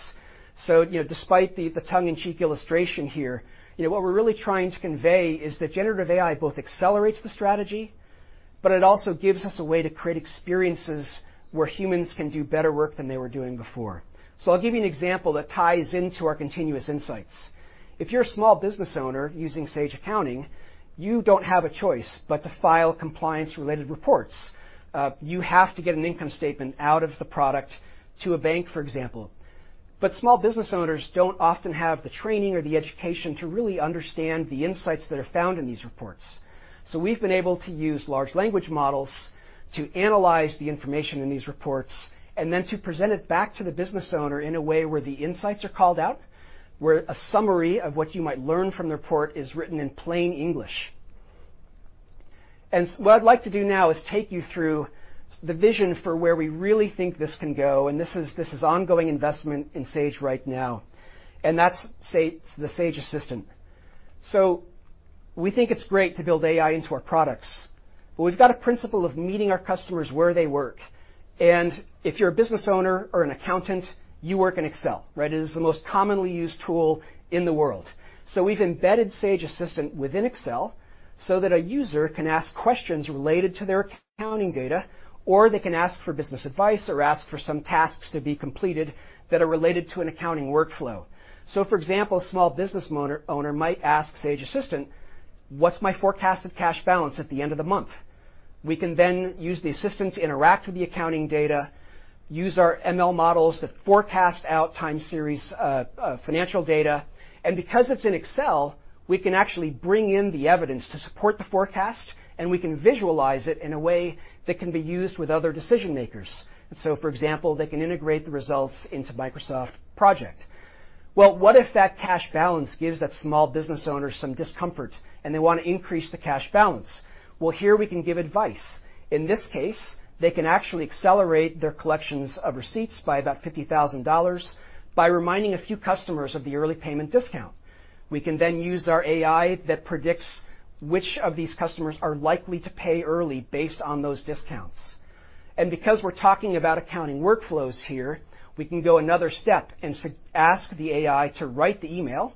So, you know, despite the, the tongue-in-cheek illustration here, you know, what we're really trying to convey is that generative AI both accelerates the strategy, but it also gives us a way to create experiences where humans can do better work than they were doing before. So I'll give you an example that ties into our continuous insights. If you're a small business owner using Sage Accounting, you don't have a choice but to file compliance-related reports. You have to get an income statement out of the product to a bank, for example. But small business owners don't often have the training or the education to really understand the insights that are found in these reports. So we've been able to use large language models to analyze the information in these reports, and then to present it back to the business owner in a way where the insights are called out, where a summary of what you might learn from the report is written in plain English. So what I'd like to do now is take you through the vision for where we really think this can go, and this is ongoing investment in Sage right now, and that's the Sage Assistant. So we think it's great to build AI into our products, but we've got a principle of meeting our customers where they work. And if you're a business owner or an accountant, you work in Excel, right? It is the most commonly used tool in the world. So we've embedded Sage Assistant within Excel so that a user can ask questions related to their accounting data, or they can ask for business advice, or ask for some tasks to be completed that are related to an accounting workflow. So, for example, a small business owner might ask Sage Assistant: What's my forecasted cash balance at the end of the month? We can then use the assistant to interact with the accounting data, use our ML models to forecast out time series, financial data, and because it's in Excel, we can actually bring in the evidence to support the forecast, and we can visualize it in a way that can be used with other decision-makers. And so, for example, they can integrate the results into Microsoft Project. Well, what if that cash balance gives that small business owner some discomfort, and they want to increase the cash balance? Well, here we can give advice. In this case, they can actually accelerate their collections of receipts by about $50,000 by reminding a few customers of the early payment discount. We can then use our AI that predicts which of these customers are likely to pay early based on those discounts. And because we're talking about accounting workflows here, we can go another step and ask the AI to write the email.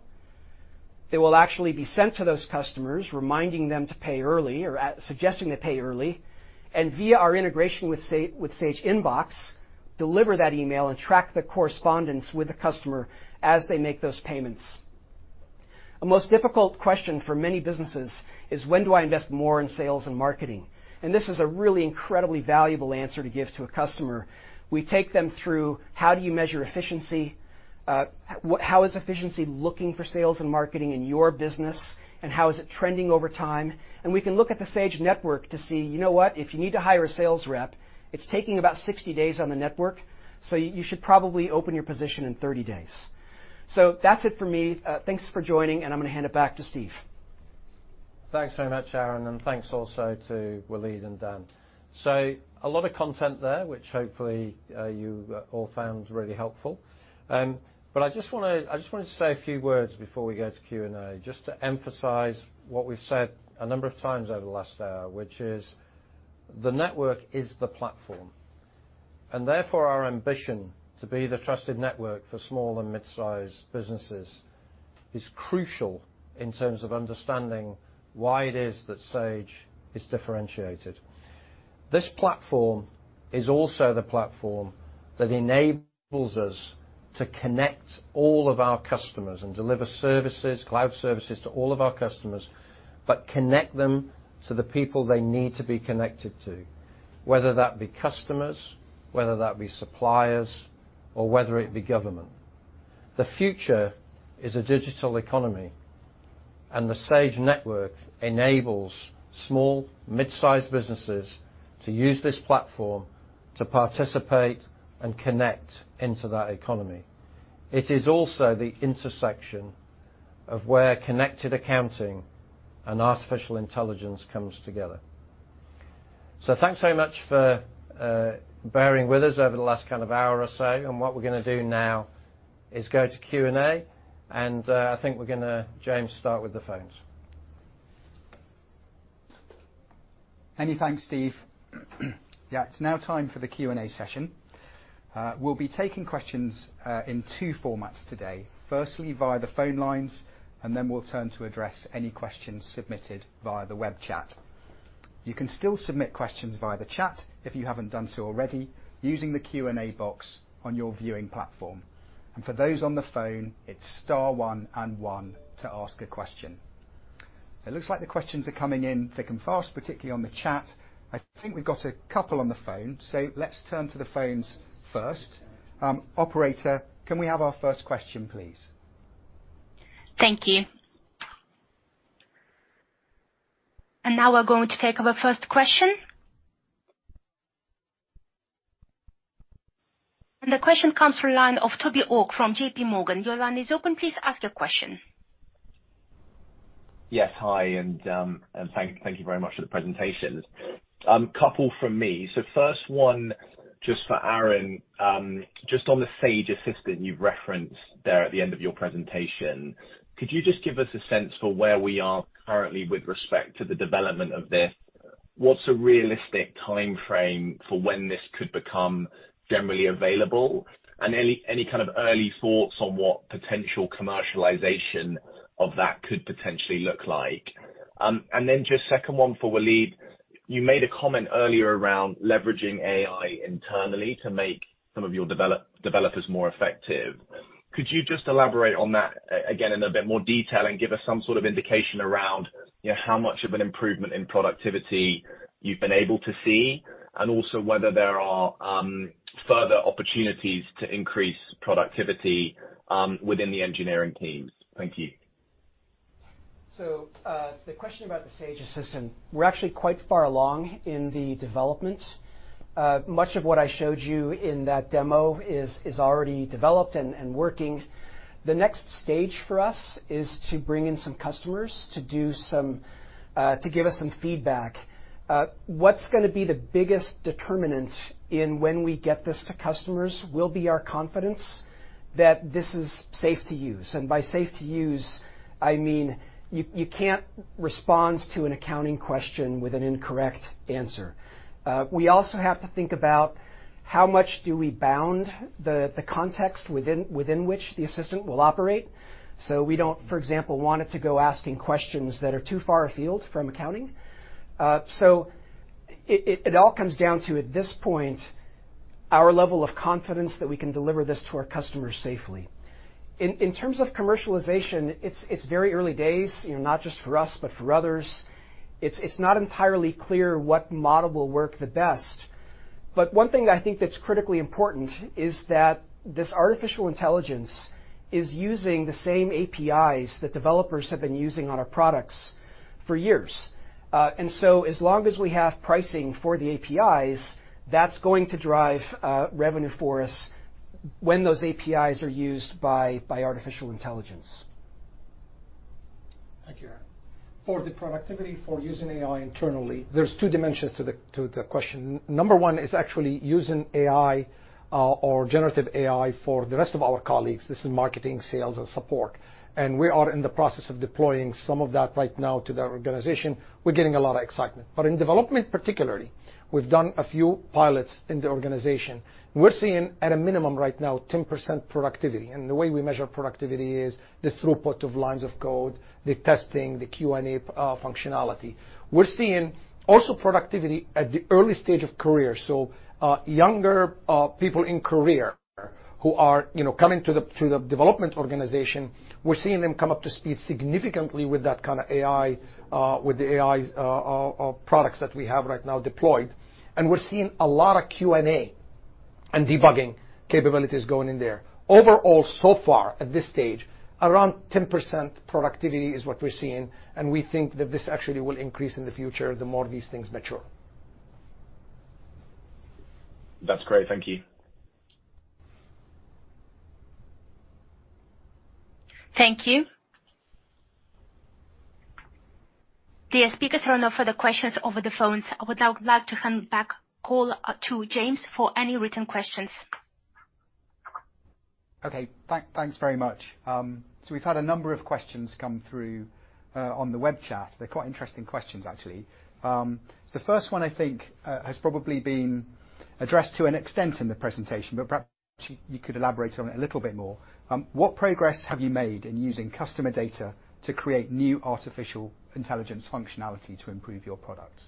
They will actually be sent to those customers, reminding them to pay early or suggesting they pay early, and via our integration with Sage Inbox, deliver that email and track the correspondence with the customer as they make those payments. A most difficult question for many businesses is: When do I invest more in sales and marketing? And this is a really incredibly valuable answer to give to a customer. We take them through, how do you measure efficiency? How is efficiency looking for sales and marketing in your business, and how is it trending over time? And we can look at the Sage Network to see, you know what? If you need to hire a sales rep, it's taking about 60 days on the network, so you, you should probably open your position in 30 days. So that's it for me. Thanks for joining, and I'm gonna hand it back to Steve. Thanks very much, Aaron, and thanks also to Walid and Dan. So a lot of content there, which hopefully you all found really helpful. But I just wanted to say a few words before we go to Q&A, just to emphasize what we've said a number of times over the last hour, which is the network is the platform, and therefore, our ambition to be the trusted network for small and mid-sized businesses is crucial in terms of understanding why it is that Sage is differentiated. This platform is also the platform that enables us to connect all of our customers and deliver services, cloud services, to all of our customers, but connect them to the people they need to be connected to, whether that be customers, whether that be suppliers, or whether it be government. The future is a digital economy, and the Sage Network enables small, mid-sized businesses to use this platform to participate and connect into that economy. It is also the intersection of where connected accounting and artificial intelligence comes together. So thanks very much for bearing with us over the last kind of hour or so, and what we're gonna do now is go to Q&A, and I think we're gonna, James, start with the phones. Many thanks, Steve. Yeah, it's now time for the Q&A session. We'll be taking questions in two formats today. Firstly, via the phone lines, and then we'll turn to address any questions submitted via the web chat. You can still submit questions via the chat if you haven't done so already, using the Q&A box on your viewing platform. And for those on the phone, it's star one and one to ask a question. It looks like the questions are coming in thick and fast, particularly on the chat. I think we've got a couple on the phone, so let's turn to the phones first. Operator, can we have our first question, please? Thank you. Now we're going to take our first question. The question comes from line of Toby Ogg from JPMorgan. Your line is open. Please ask your question. Yes. Hi, and thank you very much for the presentation. Couple from me. So first one, just for Aaron. Just on the Sage Assistant you've referenced there at the end of your presentation, could you just give us a sense for where we are currently with respect to the development of this? What's a realistic timeframe for when this could become generally available? And any kind of early thoughts on what potential commercialization of that could potentially look like? And then just second one for Walid. You made a comment earlier around leveraging AI internally to make some of your developers more effective. Could you just elaborate on that, again, in a bit more detail, and give us some sort of indication around, you know, how much of an improvement in productivity you've been able to see, and also whether there are further opportunities to increase productivity within the engineering teams? Thank you. So, the question about the Sage Assistant, we're actually quite far along in the development. Much of what I showed you in that demo is already developed and working. The next stage for us is to bring in some customers to do some... to give us some feedback. What's gonna be the biggest determinant in when we get this to customers will be our confidence that this is safe to use, and by safe to use, I mean, you can't respond to an accounting question with an incorrect answer. We also have to think about how much do we bound the context within which the assistant will operate. So we don't, for example, want it to go asking questions that are too far afield from accounting. So it all comes down to, at this point, our level of confidence that we can deliver this to our customers safely. In terms of commercialization, it's very early days, you know, not just for us, but for others. It's not entirely clear what model will work the best, but one thing that I think that's critically important is that this artificial intelligence is using the same APIs that developers have been using on our products for years. And so as long as we have pricing for the APIs, that's going to drive revenue for us when those APIs are used by artificial intelligence. Thank you, Aaron. For the productivity for using AI internally, there's two dimensions to the, to the question. Number one is actually using AI, or generative AI for the rest of our colleagues. This is marketing, sales, and support, and we are in the process of deploying some of that right now to the organization. We're getting a lot of excitement. But in development particularly, we've done a few pilots in the organization. We're seeing, at a minimum right now, 10% productivity, and the way we measure productivity is the throughput of lines of code, the testing, the Q&A, functionality. We're seeing also productivity at the early stage of career. So, younger people in career who are, you know, coming to the development organization, we're seeing them come up to speed significantly with that kind of AI, with the AI products that we have right now deployed. And we're seeing a lot of Q&A and debugging capabilities going in there. Overall, so far, at this stage, around 10% productivity is what we're seeing, and we think that this actually will increase in the future the more these things mature. That's great. Thank you. Thank you. The floor is now open for the questions over the phones. I would now like to hand the call back to James for any written questions. Okay. Thanks very much. So we've had a number of questions come through on the web chat. They're quite interesting questions, actually. So the first one, I think, has probably been addressed to an extent in the presentation, but perhaps you could elaborate on it a little bit more. What progress have you made in using customer data to create new artificial intelligence functionality to improve your products?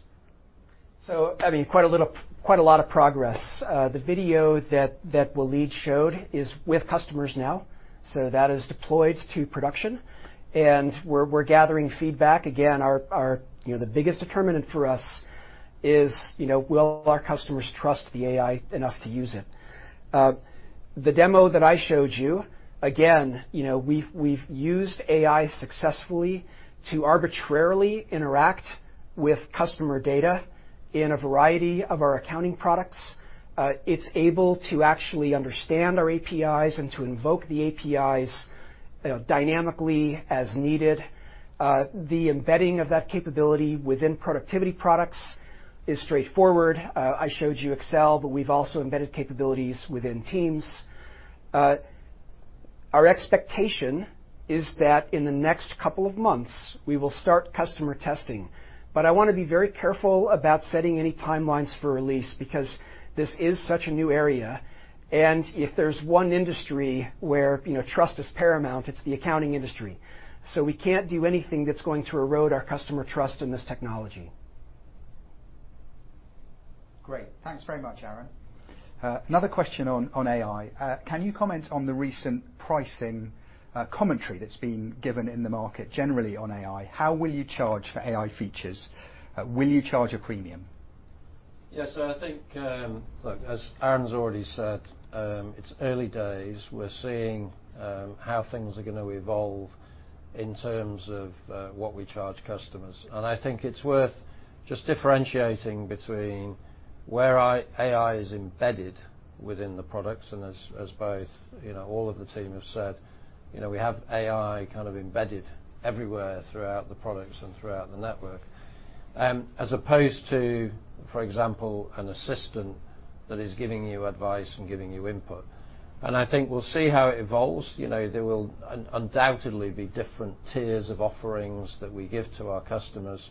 So, I mean, quite a lot of progress. The video that Walid showed is with customers now, so that is deployed to production, and we're gathering feedback. Again, our... You know, the biggest determinant for us is, you know, will our customers trust the AI enough to use it? The demo that I showed you, again, you know, we've used AI successfully to arbitrarily interact with customer data in a variety of our accounting products. It's able to actually understand our APIs and to invoke the APIs, you know, dynamically as needed. The embedding of that capability within productivity products is straightforward. I showed you Excel, but we've also embedded capabilities within Teams. Our expectation is that in the next couple of months, we will start customer testing. But I wanna be very careful about setting any timelines for release, because this is such a new area, and if there's one industry where, you know, trust is paramount, it's the accounting industry. So we can't do anything that's going to erode our customer trust in this technology. Great. Thanks very much, Aaron. Another question on AI. Can you comment on the recent pricing commentary that's been given in the market generally on AI? How will you charge for AI features? Will you charge a premium? Yes, so I think, look, as Aaron's already said, it's early days. We're seeing how things are gonna evolve in terms of what we charge customers. And I think it's worth just differentiating between where AI is embedded within the products, and as both, you know, all of the team have said, you know, we have AI kind of embedded everywhere throughout the products and throughout the network. As opposed to, for example, an assistant that is giving you advice and giving you input. And I think we'll see how it evolves. You know, there will undoubtedly be different tiers of offerings that we give to our customers.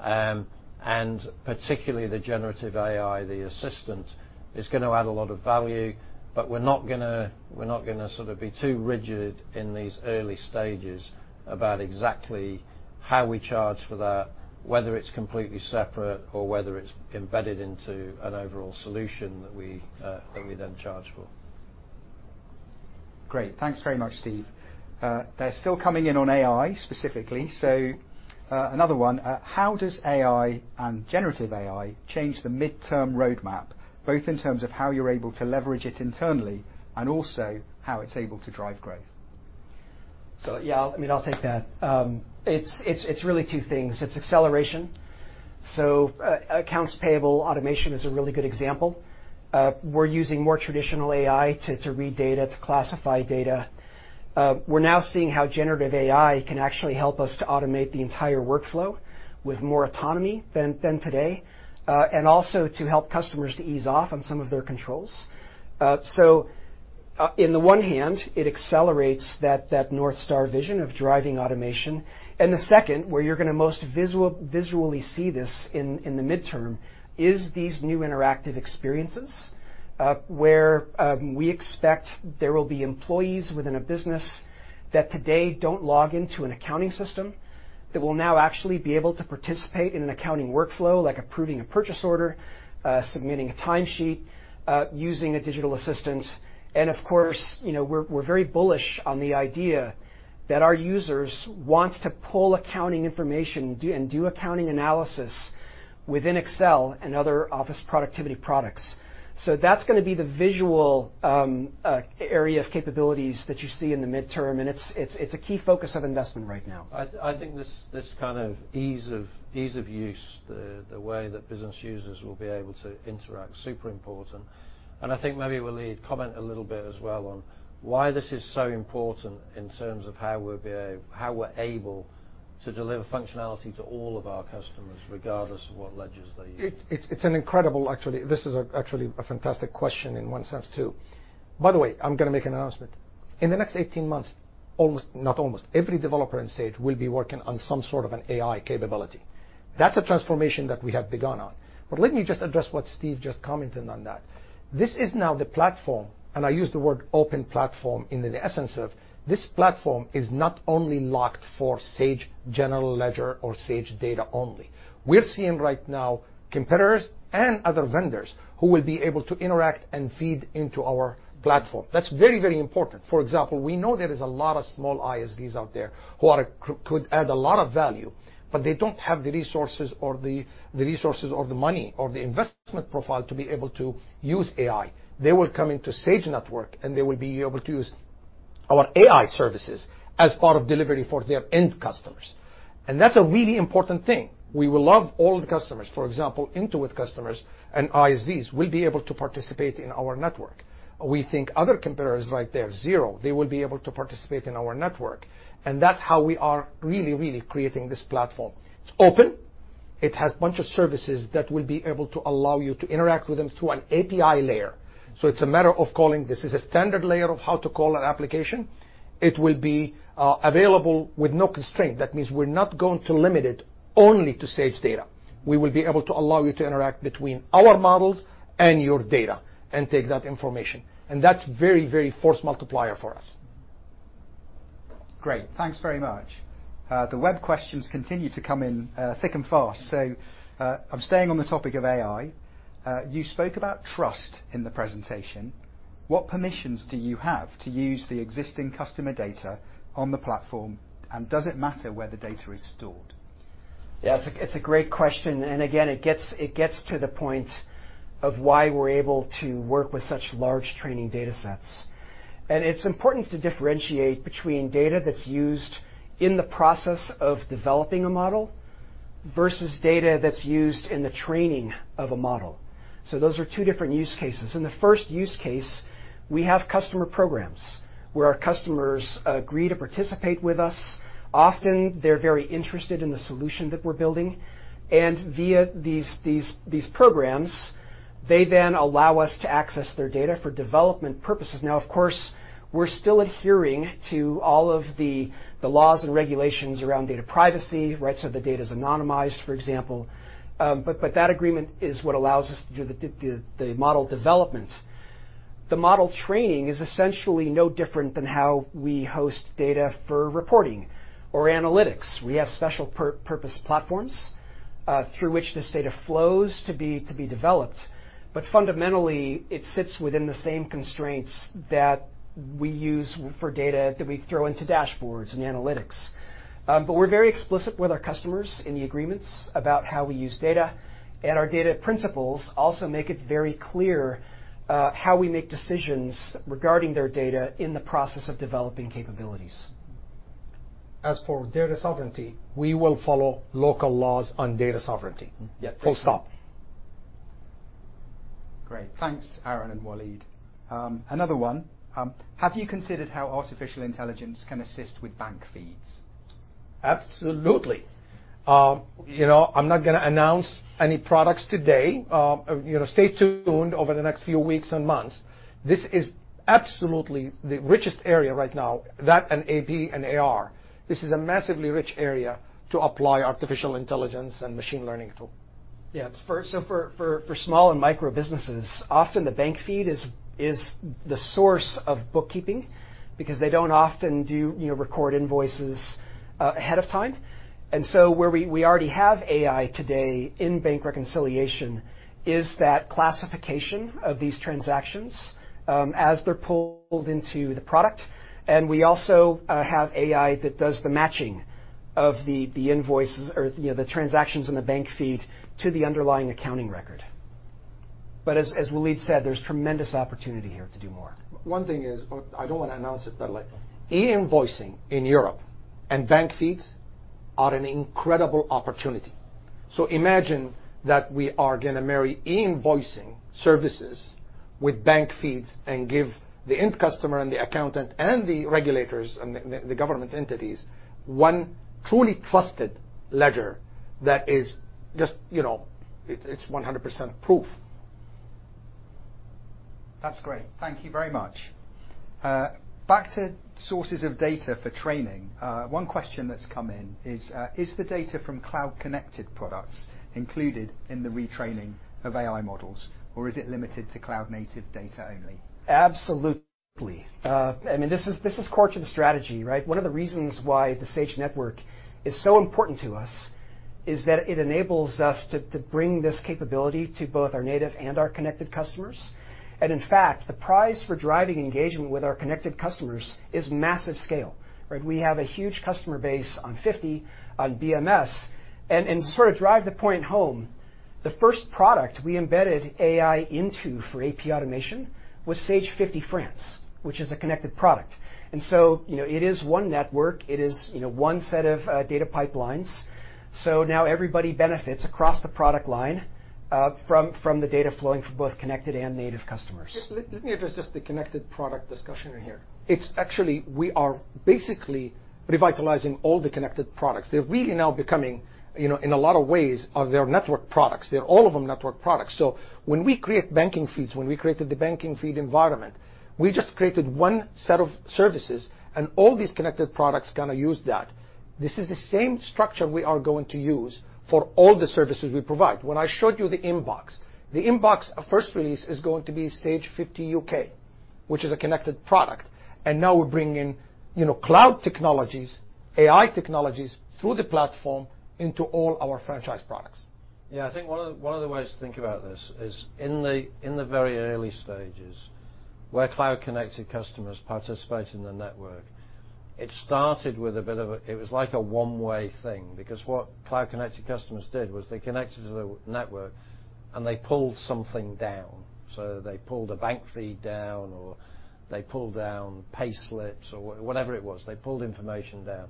And particularly the generative AI, the assistant, is gonna add a lot of value, but we're not gonna, we're not gonna sort of be too rigid in these early stages about exactly how we charge for that, whether it's completely separate, or whether it's embedded into an overall solution that we, that we then charge for. Great. Thanks very much, Steve. They're still coming in on AI, specifically, so, another one: how does AI and generative AI change the mid-term roadmap, both in terms of how you're able to leverage it internally, and also how it's able to drive growth? So, yeah, I mean, I'll take that. It's really two things. It's acceleration. So, accounts payable automation is a really good example. We're using more traditional AI to read data, to classify data. We're now seeing how generative AI can actually help us to automate the entire workflow with more autonomy than today, and also to help customers to ease off on some of their controls. So, in the one hand, it accelerates that North Star vision of driving automation. And the second, where you're gonna most visually see this in the midterm, is these new interactive experiences, where we expect there will be employees within a business that today don't log into an accounting system, that will now actually be able to participate in an accounting workflow, like approving a purchase order, submitting a time sheet, using a digital assistant. And of course, you know, we're very bullish on the idea that our users want to pull accounting information, and do accounting analysis within Excel and other office productivity products. So that's gonna be the visual area of capabilities that you see in the midterm, and it's a key focus of investment right now. I think this kind of ease of use, the way that business users will be able to interact, super important. And I think maybe Walid, comment a little bit as well on why this is so important in terms of how we're able to deliver functionality to all of our customers, regardless of what ledgers they use. It's an incredible... Actually, this is actually a fantastic question in one sense, too. By the way, I'm gonna make an announcement. In the next 18 months, almost, not almost, every developer in Sage will be working on some sort of an AI capability. That's a transformation that we have begun on. But let me just address what Steve just commented on that. This is now the platform, and I use the word open platform, in the essence of this platform is not only locked for Sage general ledger or Sage data only. We're seeing right now competitors and other vendors who will be able to interact and feed into our platform. That's very, very important. For example, we know there is a lot of small ISVs out there who could add a lot of value, but they don't have the resources or the money or the investment profile to be able to use AI. They will come into Sage Network, and they will be able to use our AI services as part of delivery for their end customers, and that's a really important thing. We will love all the customers. For example, Intuit customers and ISVs will be able to participate in our network. We think other competitors like there, Xero, they will be able to participate in our network, and that's how we are really, really creating this platform. It's open. It has a bunch of services that will be able to allow you to interact with them through an API layer. So it's a matter of calling. This is a standard layer of how to call an application. It will be available with no constraint. That means we're not going to limit it only to Sage data. We will be able to allow you to interact between our models and your data and take that information, and that's very, very force multiplier for us. Great. Thanks very much. The web questions continue to come in, thick and fast, so, I'm staying on the topic of AI. You spoke about trust in the presentation. What permissions do you have to use the existing customer data on the platform, and does it matter where the data is stored? Yeah, it's a great question, and again, it gets to the point of why we're able to work with such large training datasets. It's important to differentiate between data that's used in the process of developing a model versus data that's used in the training of a model. Those are two different use cases. In the first use case, we have customer programs, where our customers agree to participate with us. Often, they're very interested in the solution that we're building, and via these programs, they then allow us to access their data for development purposes. Now, of course, we're still adhering to all of the laws and regulations around data privacy, right? So the data is anonymized, for example, but that agreement is what allows us to do the model development. The model training is essentially no different than how we host data for reporting or analytics. We have special purpose platforms through which this data flows to be developed. But fundamentally, it sits within the same constraints that we use for data that we throw into dashboards and analytics. But we're very explicit with our customers in the agreements about how we use data, and our data principles also make it very clear how we make decisions regarding their data in the process of developing capabilities. As for data sovereignty, we will follow local laws on data sovereignty. Yeah. Full stop. Great. Thanks, Aaron and Walid. Another one: Have you considered how artificial intelligence can assist with bank feeds? Absolutely. You know, I'm not gonna announce any products today. You know, stay tuned over the next few weeks and months. This is absolutely the richest area right now, that and AP and AR. This is a massively rich area to apply artificial intelligence and machine learning to. Yeah, so for small and micro businesses, often the bank feed is the source of bookkeeping because they don't often do... you know, record invoices ahead of time. And so where we already have AI today in bank reconciliation is that classification of these transactions as they're pulled into the product, and we also have AI that does the matching of the invoices or, you know, the transactions in the bank feed to the underlying accounting record. But as Walid said, there's tremendous opportunity here to do more. One thing is, but I don't wanna announce it, but, like, e-invoicing in Europe and bank feeds are an incredible opportunity. So imagine that we are gonna marry e-invoicing services with bank feeds and give the end customer and the accountant and the regulators and the government entities one truly trusted ledger that is just, you know, it, it's 100% proof. That's great. Thank you very much. Back to sources of data for training, one question that's come in is, "Is the data from cloud-connected products included in the retraining of AI models, or is it limited to cloud-native data only? Absolutely. I mean, this is, this is core to the strategy, right? One of the reasons why the Sage Network is so important to us is that it enables us to, to bring this capability to both our native and our connected customers. And in fact, the prize for driving engagement with our connected customers is massive scale, right? We have a huge customer base on 50, on SMBs, and, and sort of drive the point home, the first product we embedded AI into for AP automation was Sage 50 France, which is a connected product. And so, you know, it is one network. It is, you know, one set of data pipelines. So now everybody benefits across the product line from the data flowing from both connected and native customers. Let me address just the connected product discussion in here. It's actually... We are basically revitalizing all the connected products. They're really now becoming, you know, in a lot of ways, they're network products. They're all of them network products. So when we create banking feeds, when we created the banking feed environment, we just created one set of services, and all these connected products gonna use that. This is the same structure we are going to use for all the services we provide. When I showed you the inbox, the inbox, our first release, is going to be Sage 50 UK, which is a connected product. And now we're bringing, you know, cloud technologies, AI technologies, through the platform into all our franchise products. Yeah, I think one of the, one of the ways to think about this is in the, in the very early stages, where cloud-connected customers participate in the network, it started with a bit of a... It was like a one-way thing because what cloud-connected customers did was they connected to the network, and they pulled something down. So they pulled a bank feed down, or they pulled down payslips or whatever it was, they pulled information down.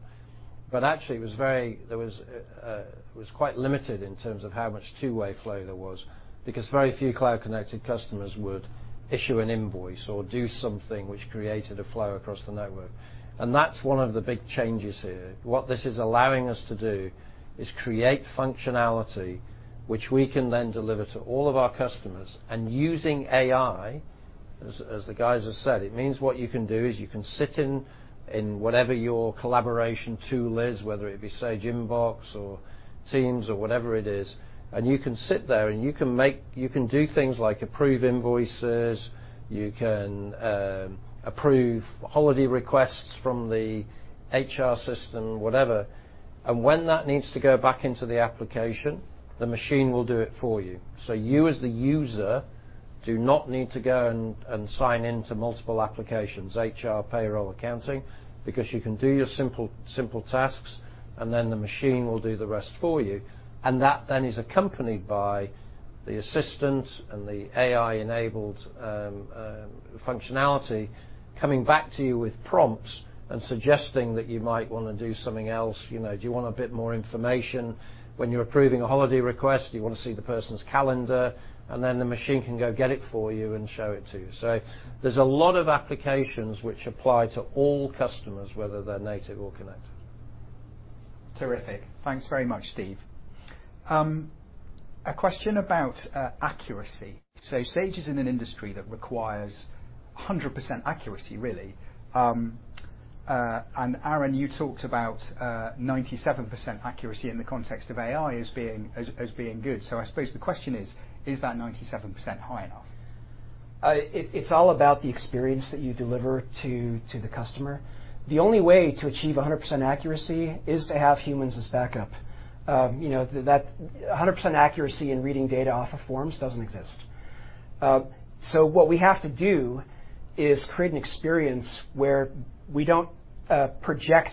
But actually, it was very - there was, it was quite limited in terms of how much two-way flow there was because very few cloud-connected customers would issue an invoice or do something which created a flow across the network. And that's one of the big changes here. What this is allowing us to do is create functionality which we can then deliver to all of our customers, and using AI, as, as the guys have said, it means what you can do is you can sit in, in whatever your collaboration tool is, whether it be Sage Inbox or Teams or whatever it is, and you can sit there, and you can make... You can do things like approve invoices, you can, approve holiday requests from the HR system, whatever, and when that needs to go back into the application, the machine will do it for you. So you, as the user, do not need to go and, and sign in to multiple applications, HR, payroll, accounting, because you can do your simple, simple tasks, and then the machine will do the rest for you. And that then is accompanied by-... The assistant and the AI-enabled functionality coming back to you with prompts and suggesting that you might want to do something else. You know, "Do you want a bit more information? When you're approving a holiday request, do you want to see the person's calendar?" And then the machine can go get it for you and show it to you. So there's a lot of applications which apply to all customers, whether they're native or connected. Terrific. Thanks very much, Steve. A question about accuracy. So Sage is in an industry that requires 100% accuracy, really. And Aaron, you talked about 97% accuracy in the context of AI as being good. So I suppose the question is: Is that 97% high enough? It's all about the experience that you deliver to the customer. The only way to achieve 100% accuracy is to have humans as backup. You know, that 100% accuracy in reading data off of forms doesn't exist. So what we have to do is create an experience where we don't project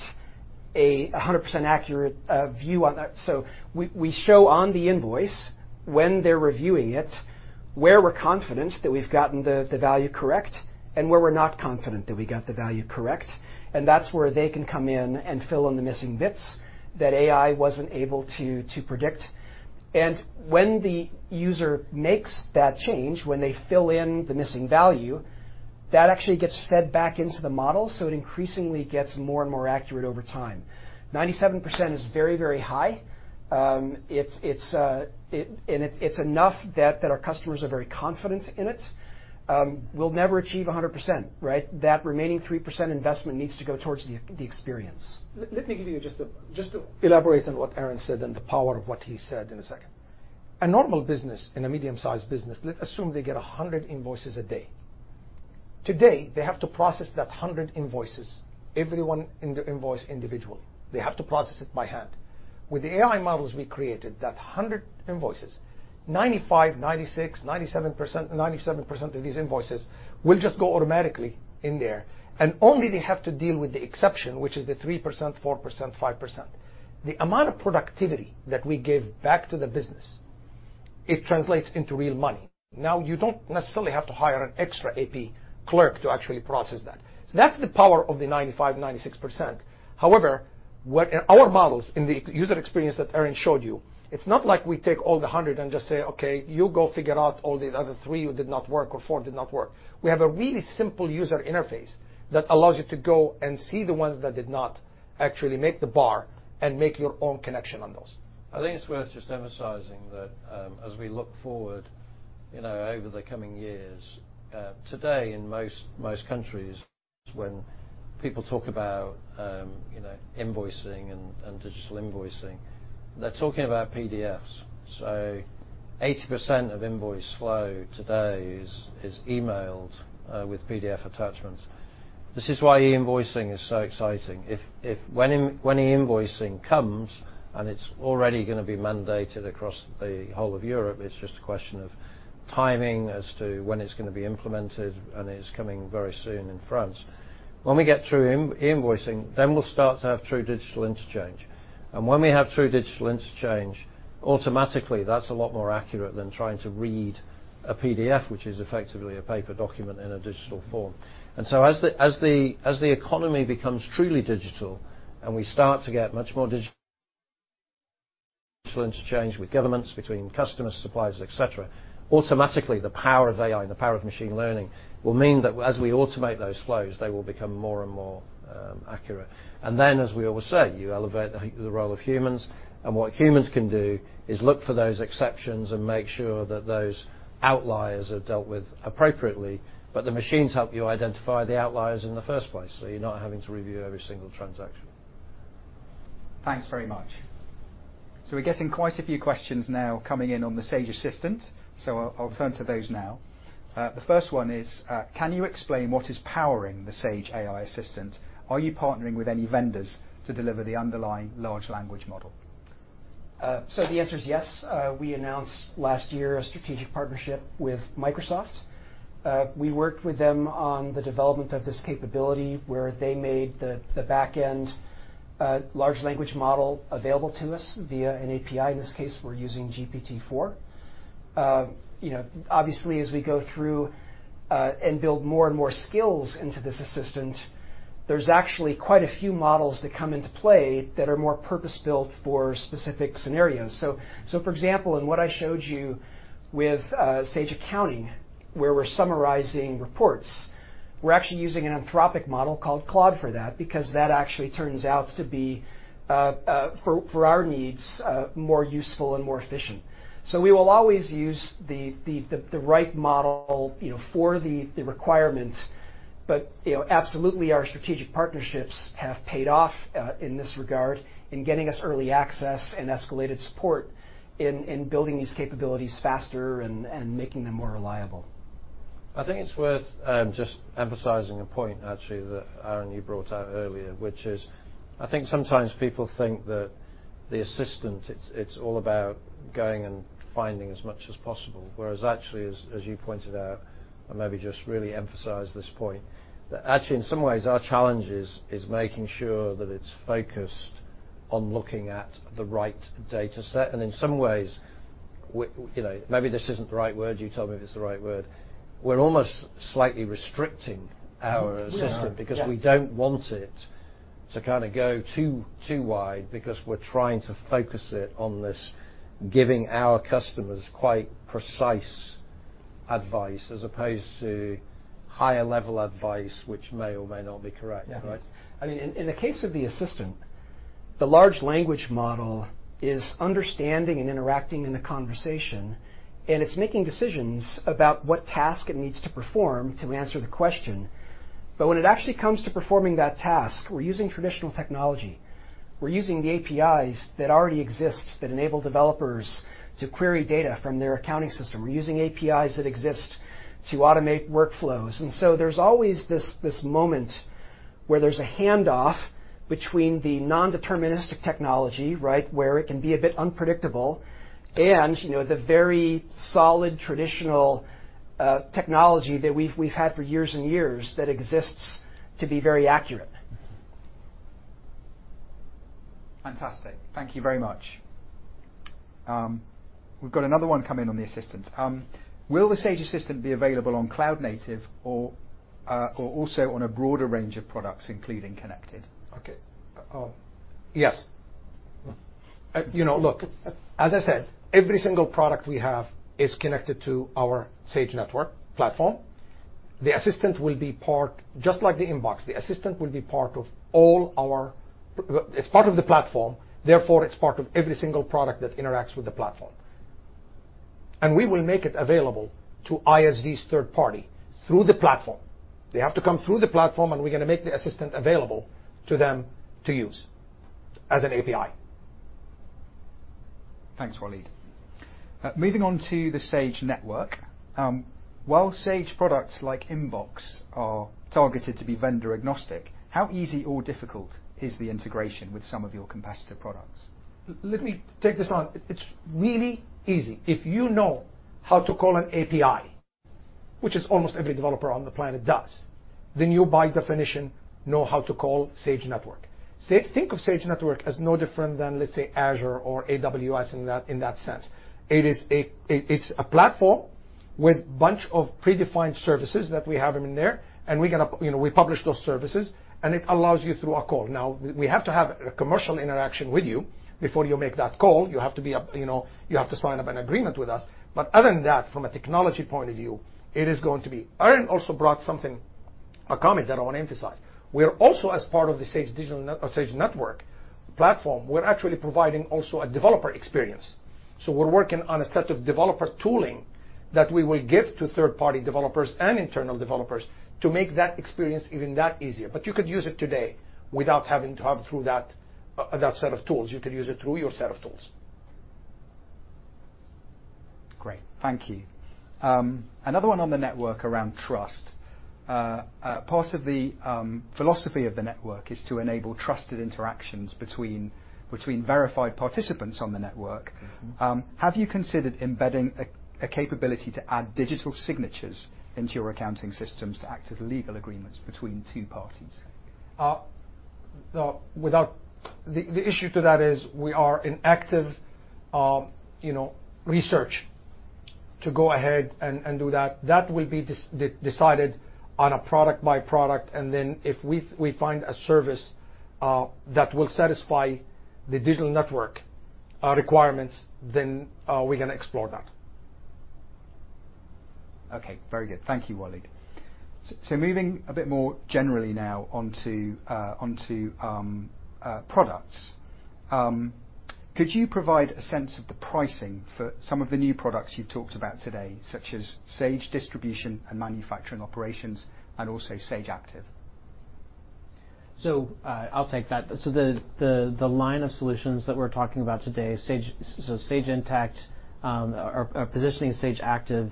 a 100% accurate view on that. So we show on the invoice, when they're reviewing it, where we're confident that we've gotten the value correct, and where we're not confident that we got the value correct, and that's where they can come in and fill in the missing bits that AI wasn't able to predict. When the user makes that change, when they fill in the missing value, that actually gets fed back into the model, so it increasingly gets more and more accurate over time. 97% is very, very high. It's enough that our customers are very confident in it. We'll never achieve 100%, right? That remaining 3% investment needs to go towards the experience. Let me give you just to elaborate on what Aaron said and the power of what he said in a second. A normal business, in a medium-sized business, let's assume they get 100 invoices a day. Today, they have to process that 100 invoices, every one in the invoice individually. They have to process it by hand. With the AI models we created, that 100 invoices, 95%, 96%, 97%, 97% of these invoices will just go automatically in there, and only they have to deal with the exception, which is the 3%, 4%, 5%. The amount of productivity that we give back to the business, it translates into real money. Now, you don't necessarily have to hire an extra AP clerk to actually process that. So that's the power of the 95%, 96%. However, what... In our models, in the user experience that Aaron showed you, it's not like we take all the 100 and just say, "Okay, you go figure out all the other three, who did not work or four did not work." We have a really simple user interface that allows you to go and see the ones that did not actually make the bar and make your own connection on those. I think it's worth just emphasizing that, as we look forward, you know, over the coming years, today, in most, most countries, when people talk about, you know, invoicing and digital invoicing, they're talking about PDFs. So 80% of invoice flow today is emailed with PDF attachments. This is why e-invoicing is so exciting. When e-invoicing comes, and it's already gonna be mandated across the whole of Europe, it's just a question of timing as to when it's gonna be implemented, and it's coming very soon in France. When we get through e-invoicing, then we'll start to have true digital interchange. And when we have true digital interchange, automatically, that's a lot more accurate than trying to read a PDF, which is effectively a paper document in a digital form. And so as the economy becomes truly digital, and we start to get much more digital interchange with governments, between customers, suppliers, et cetera, automatically, the power of AI and the power of machine learning will mean that as we automate those flows, they will become more and more accurate. And then, as we always say, you elevate the role of humans, and what humans can do is look for those exceptions and make sure that those outliers are dealt with appropriately, but the machines help you identify the outliers in the first place, so you're not having to review every single transaction. Thanks very much. So we're getting quite a few questions now coming in on the Sage Assistant, so I'll turn to those now. The first one is: Can you explain what is powering the Sage AI assistant? Are you partnering with any vendors to deliver the underlying large language model? So the answer is yes. We announced last year a strategic partnership with Microsoft. We worked with them on the development of this capability, where they made the backend large language model available to us via an API. In this case, we're using GPT-4. You know, obviously, as we go through and build more and more skills into this assistant, there's actually quite a few models that come into play that are more purpose-built for specific scenarios. So for example, in what I showed you with Sage Accounting, where we're summarizing reports, we're actually using an Anthropic model called Claude for that, because that actually turns out to be for our needs more useful and more efficient. So we will always use the right model, you know, for the requirement, but, you know, absolutely, our strategic partnerships have paid off in this regard, in getting us early access and escalated support in building these capabilities faster and making them more reliable. I think it's worth just emphasizing a point, actually, that, Aaron, you brought out earlier, which is, I think sometimes people think that the assistant, it's all about going and finding as much as possible, whereas actually, as you pointed out, and maybe just really emphasize this point, that actually in some ways, our challenge is making sure that it's focused on looking at the right data set, and in some ways, we, you know, maybe this isn't the right word, you tell me if it's the right word, we're almost slightly restricting our assistant- We are, yeah. because we don't want it to kinda go too, too wide, because we're trying to focus it on this, giving our customers quite precise advice, as opposed to higher-level advice, which may or may not be correct. Yeah. Right? I mean, in the case of the assistant, the large language model is understanding and interacting in the conversation, and it's making decisions about what task it needs to perform to answer the question. But when it actually comes to performing that task, we're using traditional technology. We're using the APIs that already exist, that enable developers to query data from their accounting system. We're using APIs that exist to automate workflows, and so there's always this moment where there's a handoff between the non-deterministic technology, right? Where it can be a bit unpredictable, and, you know, the very solid, traditional, technology that we've had for years and years, that exists to be very accurate. Fantastic. Thank you very much. We've got another one come in on the assistant: Will the Sage Assistant be available on cloud-native or, or also on a broader range of products, including connected? Okay. Yes. You know, look, as I said, every single product we have is connected to our Sage Network platform. The assistant will be part... Just like the Inbox, the assistant will be part of all our—it's part of the platform, therefore, it's part of every single product that interacts with the platform. And we will make it available to ISVs, third-party through the platform. They have to come through the platform, and we're gonna make the assistant available to them to use as an API. Thanks, Walid. Moving on to the Sage Network. While Sage products like Inbox are targeted to be vendor-agnostic, how easy or difficult is the integration with some of your competitor products? Let me take this on. It's really easy. If you know how to call an API, which is almost every developer on the planet does, then you, by definition, know how to call Sage Network. Think of Sage Network as no different than, let's say, Azure or AWS, in that, in that sense. It is a, it, it's a platform with bunch of predefined services that we have in there, and we're gonna, you know, we publish those services, and it allows you through a call. Now, we have to have a commercial interaction with you before you make that call. You have to be a, you know... You have to sign up an agreement with us. But other than that, from a technology point of view, it is going to be- Aaron also brought something, a comment, that I wanna emphasize. We are also, as part of the Sage Network platform, we're actually providing also a developer experience. So we're working on a set of developer tooling that we will give to third-party developers and internal developers to make that experience even easier. But you could use it today without having to have through that set of tools. You could use it through your set of tools. Great, thank you. Another one on the network around trust. Part of the philosophy of the network is to enable trusted interactions between verified participants on the network. Have you considered embedding a capability to add digital signatures into your accounting systems to act as legal agreements between two parties? The issue to that is, we are in active, you know, research to go ahead and do that. That will be decided on a product by product, and then if we find a service that will satisfy the digital network requirements, then we're gonna explore that. Okay, very good. Thank you, Walid. So moving a bit more generally now on to products. Could you provide a sense of the pricing for some of the new products you've talked about today, such as Sage Distribution and Manufacturing Operations, and also Sage Active? So, I'll take that. So the line of solutions that we're talking about today, Sage, so Sage Intacct, our positioning Sage Active,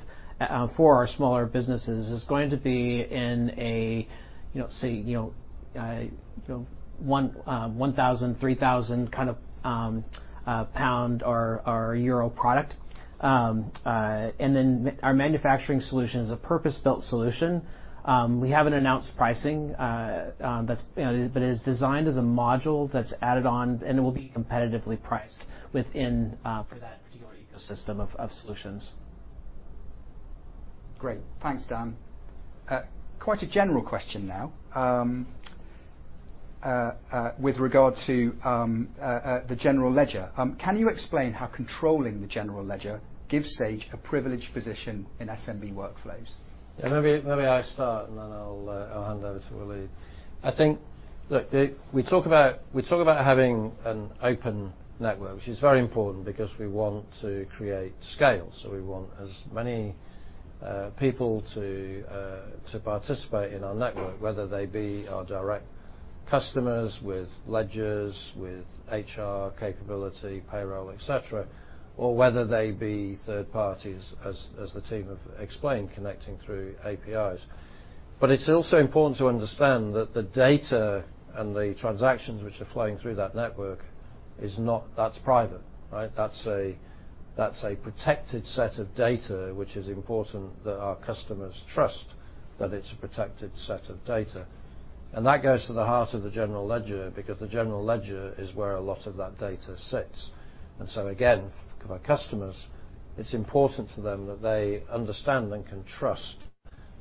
for our smaller businesses, is going to be in a, you know, say, you know, 1,000-3,000 kind of GBP or EUR product. And then our manufacturing solution is a purpose-built solution. We haven't announced pricing, that's, you know. But it is designed as a module that's added on, and it will be competitively priced within for that particular ecosystem of solutions. Great. Thanks, Dan. Quite a general question now, with regard to the general ledger. Can you explain how controlling the general ledger gives Sage a privileged position in SMB workflows? Yeah, maybe, maybe I start, and then I'll hand over to Walid. I think... Look, we talk about, we talk about having an open network, which is very important because we want to create scale, so we want as many people to participate in our network, whether they be our direct customers with ledgers, with HR capability, payroll, et cetera, or whether they be third parties, as the team have explained, connecting through APIs. But it's also important to understand that the data and the transactions which are flowing through that network is not- that's private, right? That's a-... That's a protected set of data, which is important that our customers trust that it's a protected set of data. And that goes to the heart of the general ledger, because the general ledger is where a lot of that data sits. And so again, for our customers, it's important to them that they understand and can trust